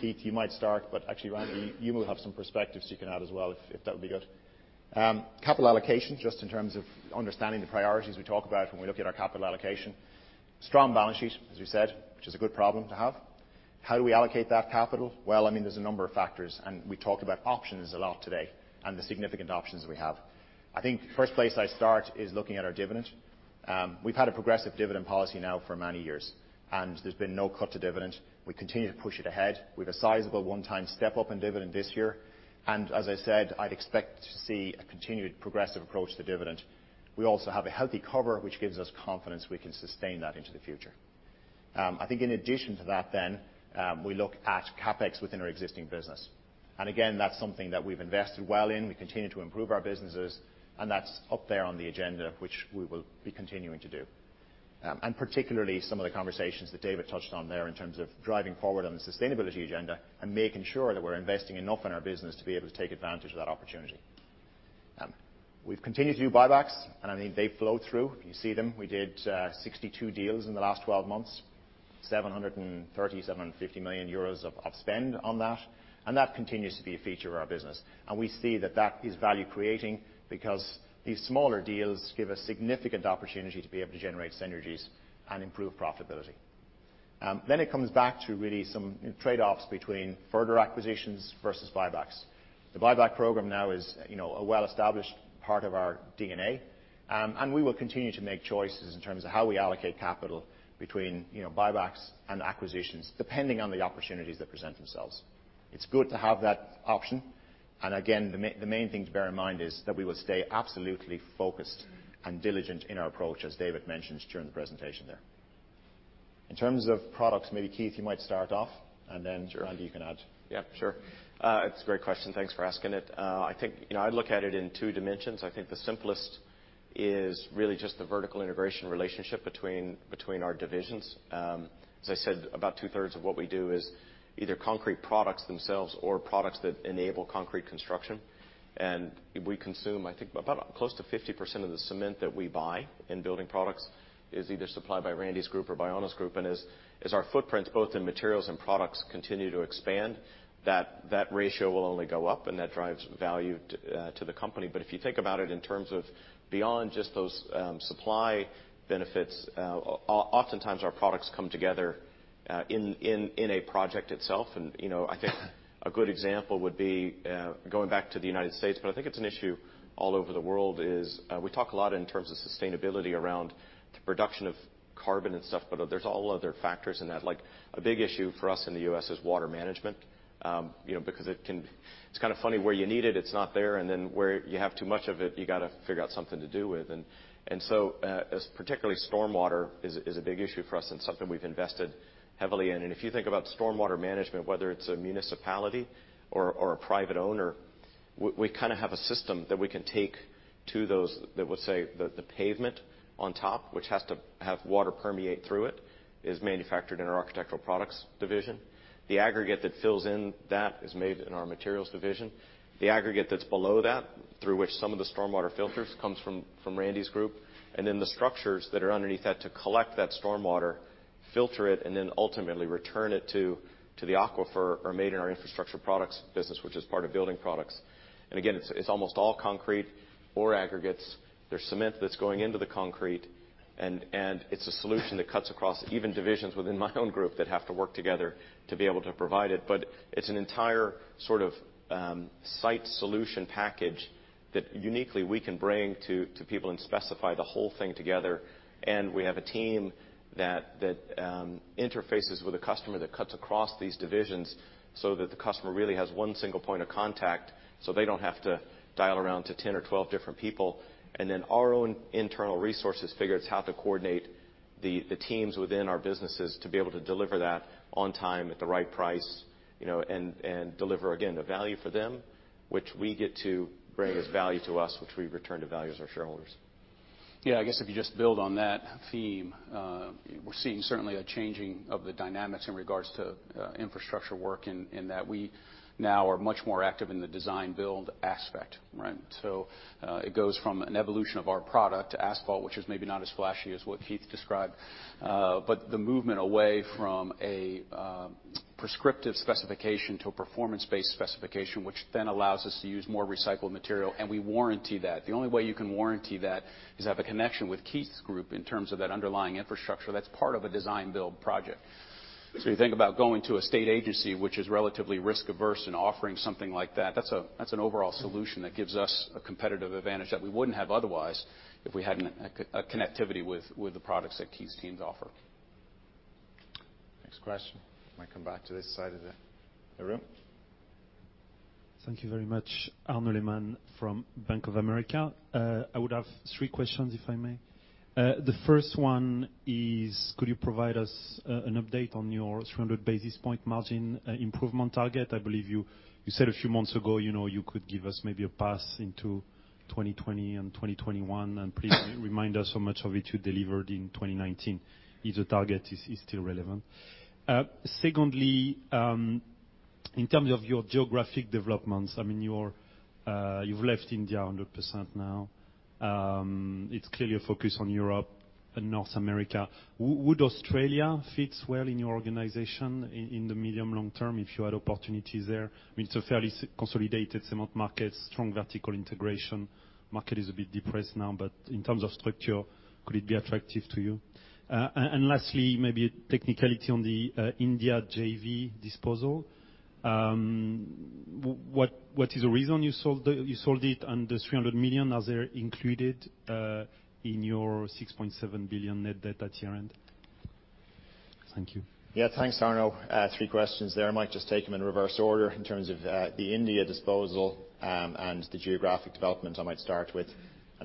Keith, you might start, but actually, Randy, you will have some perspectives you can add as well, if that would be good. Capital allocation, just in terms of understanding the priorities we talk about when we look at our capital allocation. Strong balance sheet, as we said, which is a good problem to have. How do we allocate that capital? Well, there's a number of factors, and we talked about options a lot today and the significant options we have. I think first place I start is looking at our dividend. We've had a progressive dividend policy now for many years, and there's been no cut to dividend. We continue to push it ahead with a sizable one-time step-up in dividend this year. As I said, I'd expect to see a continued progressive approach to dividend. We also have a healthy cover, which gives us confidence we can sustain that into the future. I think in addition to that, then, we look at CapEx within our existing business. Again, that's something that we've invested well in. We continue to improve our businesses, and that's up there on the agenda, which we will be continuing to do. Particularly, some of the conversations that David touched on there in terms of driving forward on the sustainability agenda and making sure that we're investing enough in our business to be able to take advantage of that opportunity. We've continued to do buybacks, and they flow through. You see them. We did 62 deals in the last 12 months, 730 million-750 million euros of spend on that, and that continues to be a feature of our business. We see that that is value-creating because these smaller deals give us significant opportunity to be able to generate synergies and improve profitability. It comes back to really some trade-offs between further acquisitions versus buybacks. The buyback program now is a well-established part of our DNA. We will continue to make choices in terms of how we allocate capital between buybacks and acquisitions, depending on the opportunities that present themselves. It's good to have that option. Again, the main thing to bear in mind is that we will stay absolutely focused and diligent in our approach, as David mentioned during the presentation there. In terms of products, maybe Keith, you might start off, and then Randy, you can add. Yeah, sure. It's a great question. Thanks for asking it. I think I look at it in two dimensions. I think the simplest is really just the vertical integration relationship between our divisions. As I said, about two-thirds of what we do is either concrete products themselves or products that enable concrete construction. We consume, I think, about close to 50% of the cement that we buy in Building Products is either supplied by Randy's group or by Onne's group. As our footprints, both in Materials and products, continue to expand, that ratio will only go up, and that drives value to the company. If you think about it in terms of beyond just those supply benefits, oftentimes, our products come together in a project itself. I think a good example would be going back to the United States, but I think it's an issue all over the world, is we talk a lot in terms of sustainability around the production of carbon and stuff, but there's all other factors in that. A big issue for us in the U.S. is water management. It's kind of funny, where you need it's not there, and then where you have too much of it, you got to figure out something to do with. Particularly storm water is a big issue for us and something we've invested heavily in. If you think about storm water management, whether it's a municipality or a private owner, we kind of have a system that we can take to those that would say the pavement on top, which has to have water permeate through it, is manufactured in our architectural products division. The aggregate that fills in that is made in our materials division. The aggregate that's below that, through which some of the storm water filters, comes from Randy's group. Then the structures that are underneath that to collect that storm water, filter it, and then ultimately return it to the aquifer are made in our infrastructure products business, which is part of Building Products. Again, it's almost all concrete or aggregates. There's cement that's going into the concrete. It's a solution that cuts across even divisions within my own group that have to work together to be able to provide it. It's an entire sort of site solution package that uniquely we can bring to people and specify the whole thing together. We have a team that interfaces with a customer that cuts across these divisions so that the customer really has one single point of contact, so they don't have to dial around to 10 or 12 different people. Our own internal resources figures how to coordinate the teams within our businesses to be able to deliver that on time at the right price, and deliver, again, the value for them, which we get to bring as value to us, which we return to value as our shareholders. I guess if you just build on that theme, we're seeing certainly a changing of the dynamics in regards to infrastructure work in that we now are much more active in the design-build aspect, right? It goes from an evolution of our product to asphalt, which is maybe not as flashy as what Keith described. The movement away from a prescriptive specification to a performance-based specification, which then allows us to use more recycled material, and we warranty that. The only way you can warranty that is have a connection with Keith's group in terms of that underlying infrastructure that's part of a design-build project. You think about going to a state agency, which is relatively risk averse in offering something like that's an overall solution that gives us a competitive advantage that we wouldn't have otherwise if we hadn't a connectivity with the products that Keith's teams offer. Next question. Might come back to this side of the room. Thank you very much. Arnaud Lehmann from Bank of America. I would have three questions, if I may. The first one is, could you provide us an update on your 300 basis point margin improvement target? I believe you said a few months ago you could give us maybe a pass into 2020 and 2021. Please remind us how much of it you delivered in 2019, if the target is still relevant. Secondly, in terms of your geographic developments, you've left India 100% now. It's clearly a focus on Europe and North America. Would Australia fit well in your organization in the medium long term if you had opportunities there? I mean, it's a fairly consolidated cement market, strong vertical integration. Market is a bit depressed now, but in terms of structure, could it be attractive to you? Lastly, maybe a technicality on the India JV disposal. What is the reason you sold it, and does 300 million, are they included in your 6.7 billion net debt at year-end? Thank you. Thanks, Arnaud. Three questions there. I might just take them in reverse order in terms of the India disposal, and the geographic development I might start with.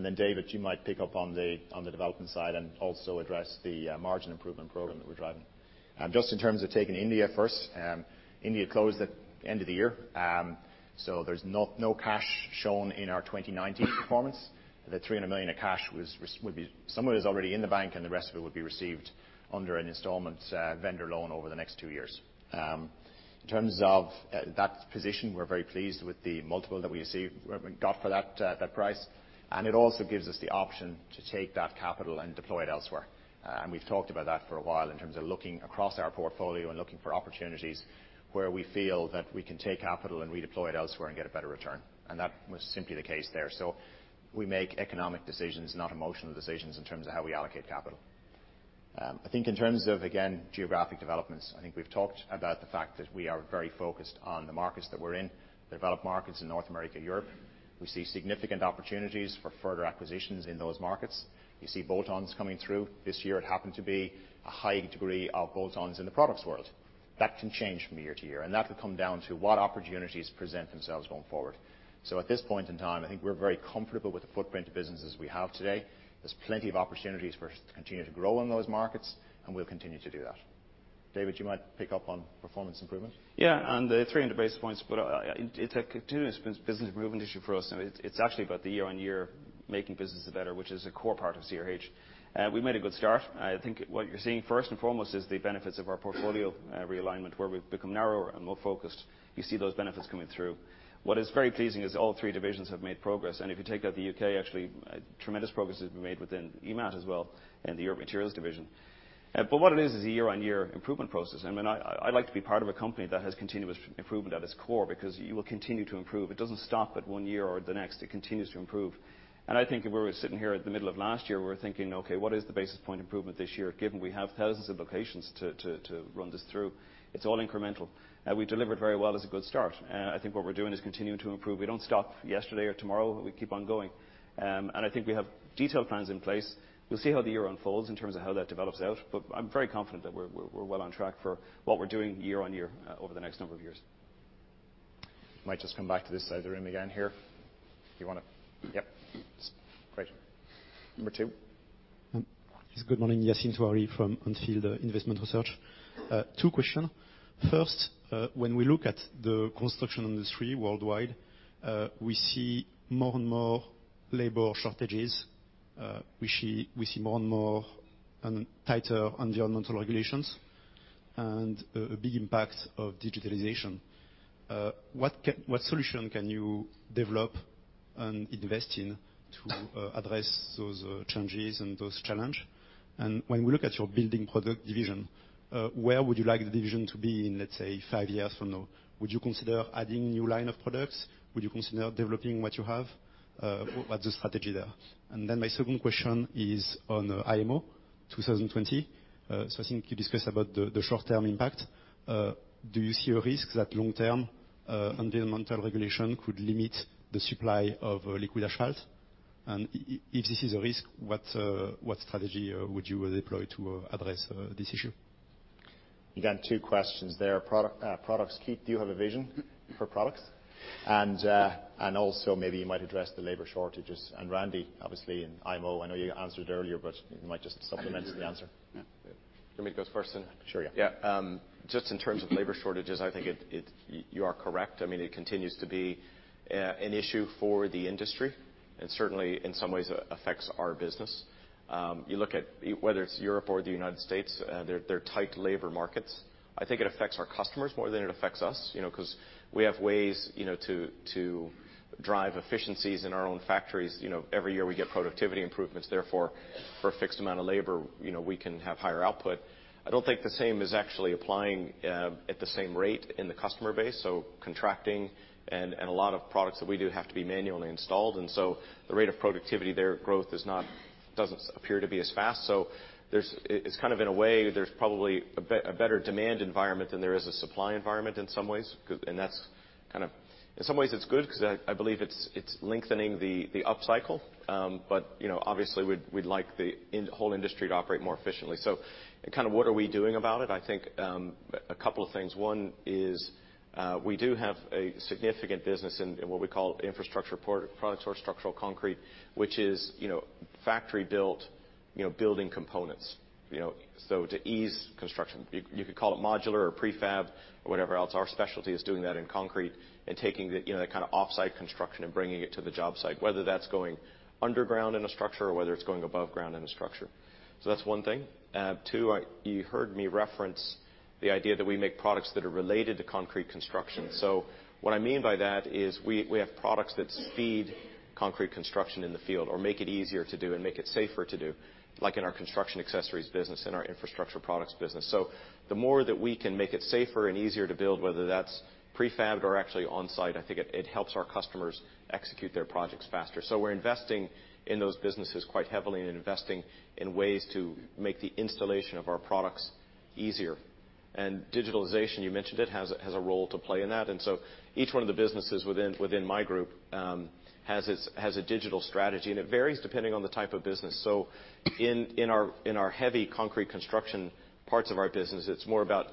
Then David, you might pick up on the development side and also address the margin improvement program that we're driving. In terms of taking India first, India closed at end of the year. There's no cash shown in our 2019 performance. The 300 million of cash some of it is already in the bank, and the rest of it will be received under an installment vendor loan over the next two years. In terms of that position, we're very pleased with the multiple that we got for that price. It also gives us the option to take that capital and deploy it elsewhere. We've talked about that for a while in terms of looking across our portfolio and looking for opportunities where we feel that we can take capital and redeploy it elsewhere and get a better return. That was simply the case there. We make economic decisions, not emotional decisions in terms of how we allocate capital. I think in terms of, again, geographic developments, I think we've talked about the fact that we are very focused on the markets that we're in, the developed markets in North America, Europe. We see significant opportunities for further acquisitions in those markets. You see bolt-ons coming through. This year it happened to be a high degree of bolt-ons in the products world. That can change from year to year, and that will come down to what opportunities present themselves going forward. At this point in time, I think we're very comfortable with the footprint of businesses we have today. There's plenty of opportunities for us to continue to grow in those markets, and we'll continue to do that. David, you might pick up on performance improvement. Yeah, on the 300 basis points, it's a continuous business improvement issue for us. It's actually about the year on year making businesses better, which is a core part of CRH. We made a good start. I think what you're seeing first and foremost is the benefits of our portfolio realignment, where we've become narrower and more focused. You see those benefits coming through. What is very pleasing is all three divisions have made progress. If you take out the U.K., actually, tremendous progress has been made within EMAT as well, and the Europe Materials division. What it is is a year on year improvement process. I like to be part of a company that has continuous improvement at its core, because you will continue to improve. It doesn't stop at one year or the next. It continues to improve. I think if we were sitting here at the middle of last year, we were thinking, okay, what is the basis point improvement this year given we have thousands of locations to run this through? It's all incremental. We delivered very well as a good start. I think what we're doing is continuing to improve. We don't stop yesterday or tomorrow. We keep on going. I think we have detailed plans in place. We'll see how the year unfolds in terms of how that develops out. I'm very confident that we're well on track for what we're doing year-on-year over the next number of years. Might just come back to this side of the room again here. Yep. Great. Number two. Yes. Good morning. Yassine Touahri from On Field Investment Research. Two question. First, when we look at the construction industry worldwide, we see more and more labor shortages. We see more and more and tighter environmental regulations and a big impact of digitalization. What solution can you develop and invest in to address those changes and those challenge? When we look at your Building Products division, where would you like the division to be in, let's say, five years from now? Would you consider adding new line of products? Would you consider developing what you have? What's the strategy there? My second question is on IMO 2020. I think you discussed about the short-term impact. Do you see a risk that long term, environmental regulation could limit the supply of liquid asphalt? If this is a risk, what strategy would you deploy to address this issue? Two questions there. Products. Keith, do you have a vision for products? Maybe you might address the labor shortages. Randy, obviously in IMO, I know you answered earlier, but you might just supplement the answer. Do you want me to go first then? Sure, yeah. Yeah. Just in terms of labor shortages, I think you are correct. It continues to be an issue for the industry, and certainly in some ways affects our business. You look at whether it's Europe or the U.S., they're tight labor markets. I think it affects our customers more than it affects us, because we have ways to drive efficiencies in our own factories. Every year we get productivity improvements. Therefore, for a fixed amount of labor, we can have higher output. I don't think the same is actually applying at the same rate in the customer base. Contracting and a lot of products that we do have to be manually installed. The rate of productivity there, growth doesn't appear to be as fast. It's kind of in a way, there's probably a better demand environment than there is a supply environment in some ways. In some ways it's good because I believe it's lengthening the up cycle. Obviously we'd like the whole industry to operate more efficiently. What are we doing about it? A couple of things. One is, we do have a significant business in what we call infrastructure products or structural concrete, which is factory-built building components. To ease construction. You could call it modular or prefab or whatever else. Our specialty is doing that in concrete and taking that kind of offsite construction and bringing it to the job site, whether that's going underground in a structure or whether it's going above ground in a structure. That's one thing. Two, you heard me reference the idea that we make products that are related to concrete construction. What I mean by that is we have products that speed concrete construction in the field or make it easier to do and make it safer to do, like in our construction accessories business and our infrastructure products business. The more that we can make it safer and easier to build, whether that's prefabbed or actually on-site, I think it helps our customers execute their projects faster. We're investing in those businesses quite heavily and investing in ways to make the installation of our products easier. Digitalization, you mentioned it, has a role to play in that. Each one of the businesses within my group has a digital strategy, and it varies depending on the type of business. In our heavy concrete construction parts of our business, it's more about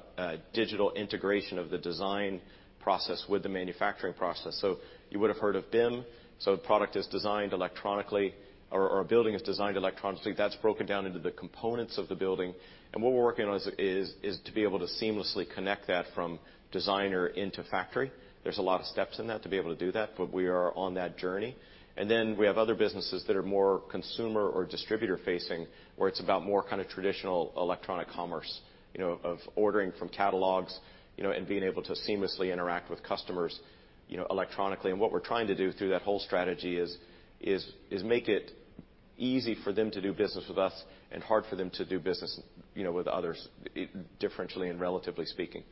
digital integration of the design process with the manufacturing process. You would have heard of BIM. A product is designed electronically or a building is designed electronically. That's broken down into the components of the building. What we're working on is to be able to seamlessly connect that from designer into factory. There's a lot of steps in that to be able to do that, but we are on that journey. Then we have other businesses that are more consumer or distributor facing, where it's about more kind of traditional electronic commerce, of ordering from catalogs and being able to seamlessly interact with customers electronically. What we're trying to do through that whole strategy is make it easy for them to do business with us and hard for them to do business with others, differentially and relatively speaking.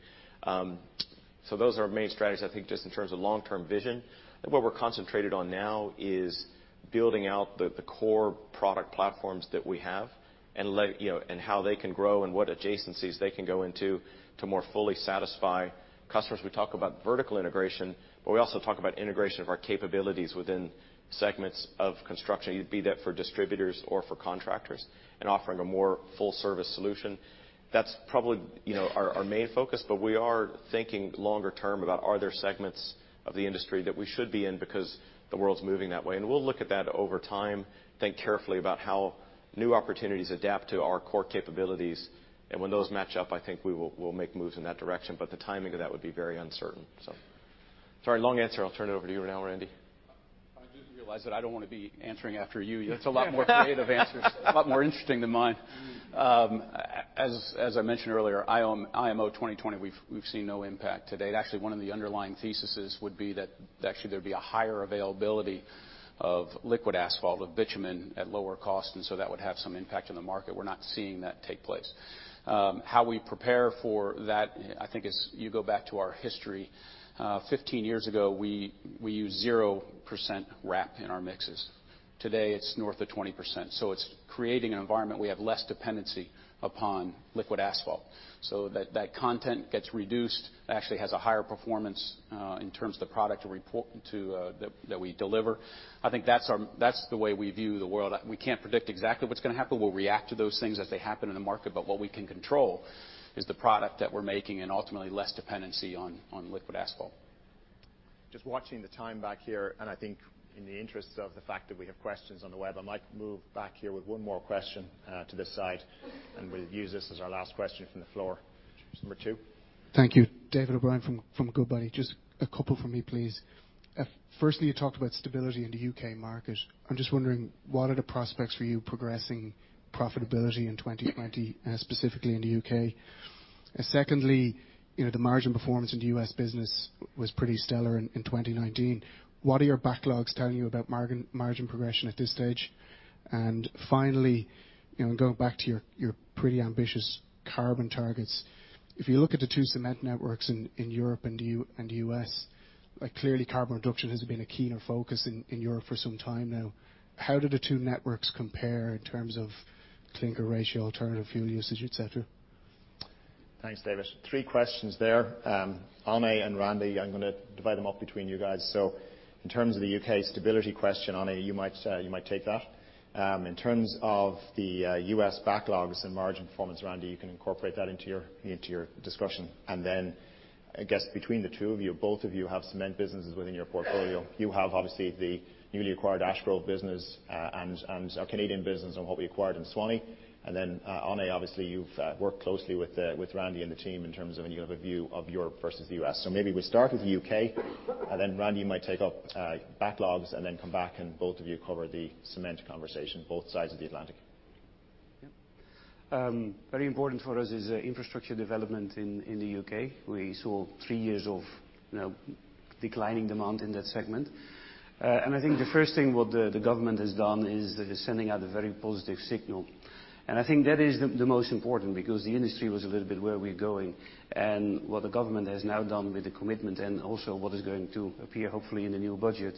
Those are our main strategies. I think just in terms of long-term vision, what we're concentrated on now is building out the core product platforms that we have and how they can grow and what adjacencies they can go into to more fully satisfy customers. We talk about vertical integration, but we also talk about integration of our capabilities within segments of construction, be that for distributors or for contractors, and offering a more full service solution. That's probably our main focus. We are thinking longer term about are there segments of the industry that we should be in because the world's moving that way. We'll look at that over time, think carefully about how new opportunities adapt to our core capabilities. When those match up, I think we'll make moves in that direction. The timing of that would be very uncertain. Sorry, long answer. I'll turn it over to you now, Randy. I didn't realize that I don't want to be answering after you. That's a lot more creative answers, a lot more interesting than mine. As I mentioned earlier, IMO 2020, we've seen no impact to date. Actually, one of the underlying theses would be that actually there'd be a higher availability of liquid asphalt, of bitumen at lower cost, and so that would have some impact on the market. We're not seeing that take place. How we prepare for that, I think is you go back to our history. 15 years ago, we used 0% RAP in our mixes. Today, it's north of 20%. It's creating an environment we have less dependency upon liquid asphalt. That content gets reduced, actually has a higher performance in terms of the product that we deliver. I think that's the way we view the world. We can't predict exactly what's going to happen. We'll react to those things as they happen in the market. What we can control is the product that we're making and ultimately less dependency on liquid asphalt. Just watching the time back here, and I think in the interests of the fact that we have questions on the web, I might move back here with one more question to this side, and we'll use this as our last question from the floor. Number two. Thank you. David O'Brien from Goodbody. Just a couple from me, please. You talked about stability in the U.K. market. I'm just wondering, what are the prospects for you progressing profitability in 2019, specifically in the U.K.? Secondly, the margin performance in the U.S. business was pretty stellar in 2019. What are your backlogs telling you about margin progression at this stage? Finally, going back to your pretty ambitious carbon targets, if you look at the two cement networks in Europe and the U.S., clearly carbon reduction has been a keener focus in Europe for some time now. How do the two networks compare in terms of clinker ratio, alternative fuel usage, et cetera? Thanks, David. Three questions there. Onne and Randy, I'm going to divide them up between you guys. In terms of the U.K. stability question, Onne, you might take that. In terms of the U.S. backlogs and margin performance, Randy, you can incorporate that into your discussion. I guess between the two of you, both of you have cement businesses within your portfolio. You have obviously the newly acquired Ash Grove business and our Canadian business and what we acquired in Swan Lake. Onne, obviously, you've worked closely with Randy and the team in terms of, and you have a view of Europe versus the U.S. Maybe we start with the U.K., and then Randy, you might take up backlogs and then come back and both of you cover the cement conversation, both sides of the Atlantic. Yeah. Very important for us is infrastructure development in the U.K. We saw three years of declining demand in that segment. I think the first thing the government has done is sending out a very positive signal. I think that is the most important, because the industry was a little bit, where are we going? What the government has now done with the commitment and also what is going to appear hopefully in the new budget,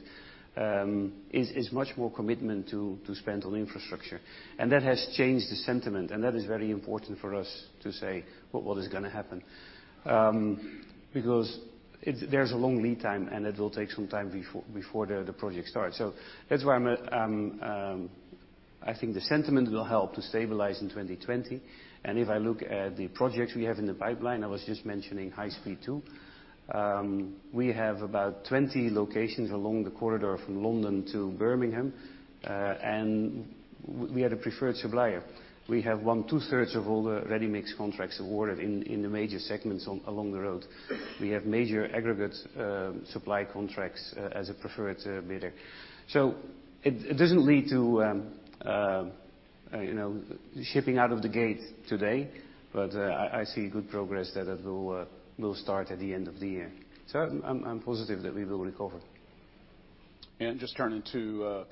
is much more commitment to spend on infrastructure. That has changed the sentiment, and that is very important for us to say what is going to happen. Because there's a long lead time, and it will take some time before the project starts. That's why I think the sentiment will help to stabilize in 2020. If I look at the projects we have in the pipeline, I was just mentioning High Speed Two. We have about 20 locations along the corridor from London to Birmingham. We are the preferred supplier. We have won two thirds of all the ready-mix contracts awarded in the major segments along the road. We have major aggregate supply contracts as a preferred bidder. It doesn't lead to shipping out of the gate today, but I see good progress that will start at the end of the year. I'm positive that we will recover. Just turning to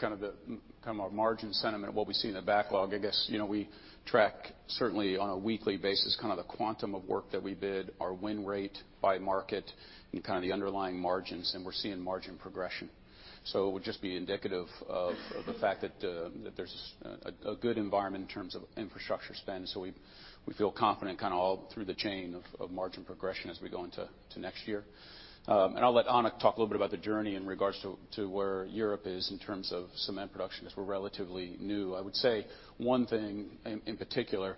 our margin sentiment, what we see in the backlog, I guess, we track certainly on a weekly basis, the quantum of work that we bid, our win rate by market, and the underlying margins. We're seeing margin progression. It would just be indicative of the fact that there's a good environment in terms of infrastructure spend. We feel confident all through the chain of margin progression as we go into next year. I'll let Anne talk a little bit about the journey in regards to where Europe is in terms of cement production, as we're relatively new. I would say one thing in particular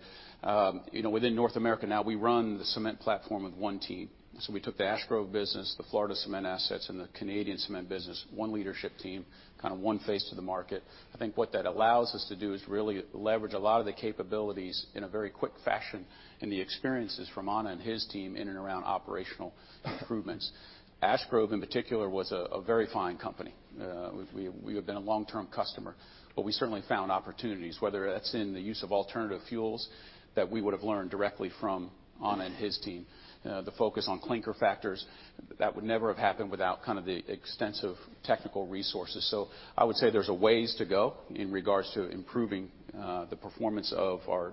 within North America now, we run the cement platform with one team. We took the Ash Grove business, the Florida Cement assets, and the Canadian Cement business, one leadership team, one face to the market. I think what that allows us to do is really leverage a lot of the capabilities in a very quick fashion, the experiences from Anne and his team in and around operational improvements. Ash Grove, in particular, was a very fine company. We have been a long-term customer, we certainly found opportunities, whether that's in the use of alternative fuels that we would have learned directly from Anne and his team. The focus on clinker factors, that would never have happened without the extensive technical resources. I would say there's a ways to go in regards to improving the performance of our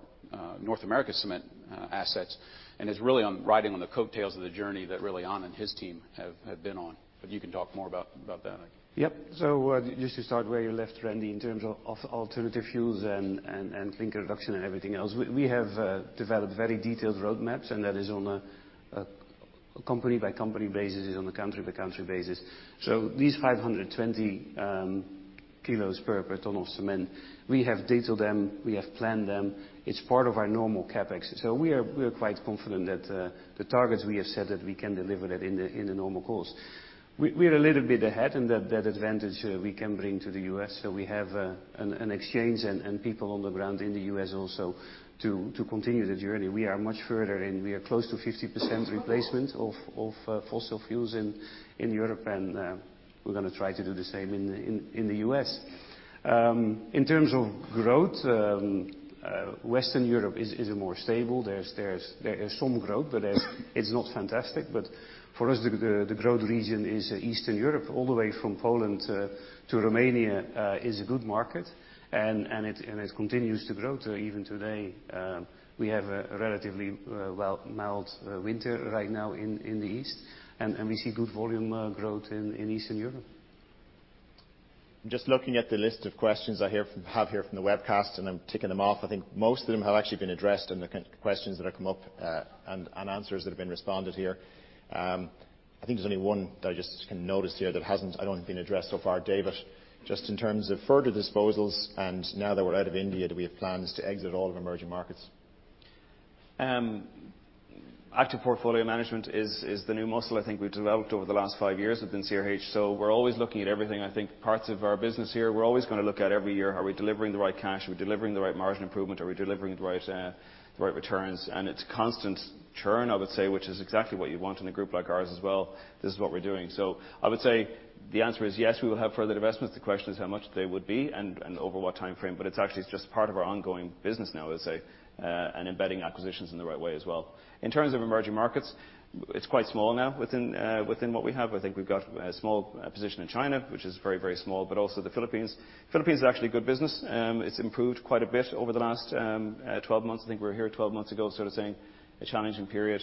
North America cement assets, is really on riding on the coattails of the journey that really Onne and his team have been on. You can talk more about that, Anne. Yep. Just to start where you left, Randy, in terms of alternative fuels and clinker reduction and everything else, we have developed very detailed roadmaps, and that is on a company by company basis, it's on a country by country basis. These 520 kilos per ton of cement, we have detailed them, we have planned them. It's part of our normal CapEx. We are quite confident that the targets we have set, that we can deliver that in the normal course. We are a little bit ahead, and that advantage we can bring to the U.S. We have an exchange and people on the ground in the U.S. also to continue the journey. We are much further, and we are close to 50% replacement of fossil fuels in Europe, and we're going to try to do the same in the U.S. In terms of growth, Western Europe is more stable. There is some growth, it's not fantastic. For us, the growth region is Eastern Europe, all the way from Poland to Romania is a good market, and it continues to grow to even today. We have a relatively mild winter right now in the east, and we see good volume growth in Eastern Europe. I'm just looking at the list of questions I have here from the webcast, and I'm ticking them off. I think most of them have actually been addressed in the questions that have come up and answers that have been responded here. I think there's only one that I just noticed here that hasn't, I don't think, been addressed so far. David, just in terms of further disposals, and now that we're out of India, do we have plans to exit all of emerging markets? Active portfolio management is the new muscle I think we've developed over the last five years within CRH. We're always looking at everything. I think parts of our business here, we're always going to look at every year, are we delivering the right cash? Are we delivering the right margin improvement? Are we delivering the right returns? It's constant churn, I would say, which is exactly what you'd want in a group like ours as well. This is what we're doing. I would say the answer is yes, we will have further divestments. The question is how much they would be and over what timeframe. It's actually just part of our ongoing business now, I would say, and embedding acquisitions in the right way as well. In terms of emerging markets, it's quite small now within what we have. I think we've got a small position in China, which is very, very small, but also the Philippines. Philippines is actually a good business. It's improved quite a bit over the last 12 months. I think we were here 12 months ago sort of saying a challenging period.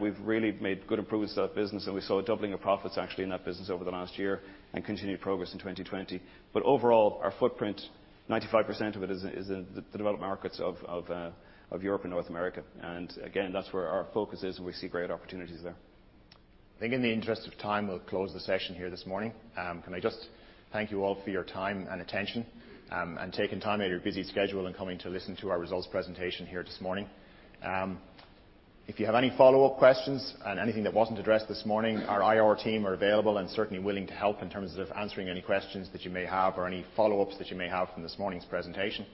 We've really made good improvements to that business, and we saw a doubling of profits actually in that business over the last year and continued progress in 2020. Overall, our footprint, 95% of it is in the developed markets of Europe and North America. Again, that's where our focus is, and we see great opportunities there. I think in the interest of time, we'll close the session here this morning. Can I just thank you all for your time and attention, and taking time out of your busy schedule and coming to listen to our results presentation here this morning. If you have any follow-up questions on anything that wasn't addressed this morning, our IR team are available and certainly willing to help in terms of answering any questions that you may have or any follow-ups that you may have from this morning's presentation.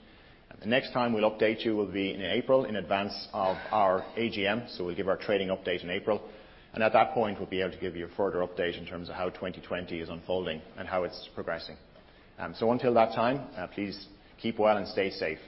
The next time we'll update you will be in April in advance of our AGM. We'll give our trading update in April. At that point, we'll be able to give you a further update in terms of how 2020 is unfolding and how it's progressing. Until that time, please keep well and stay safe.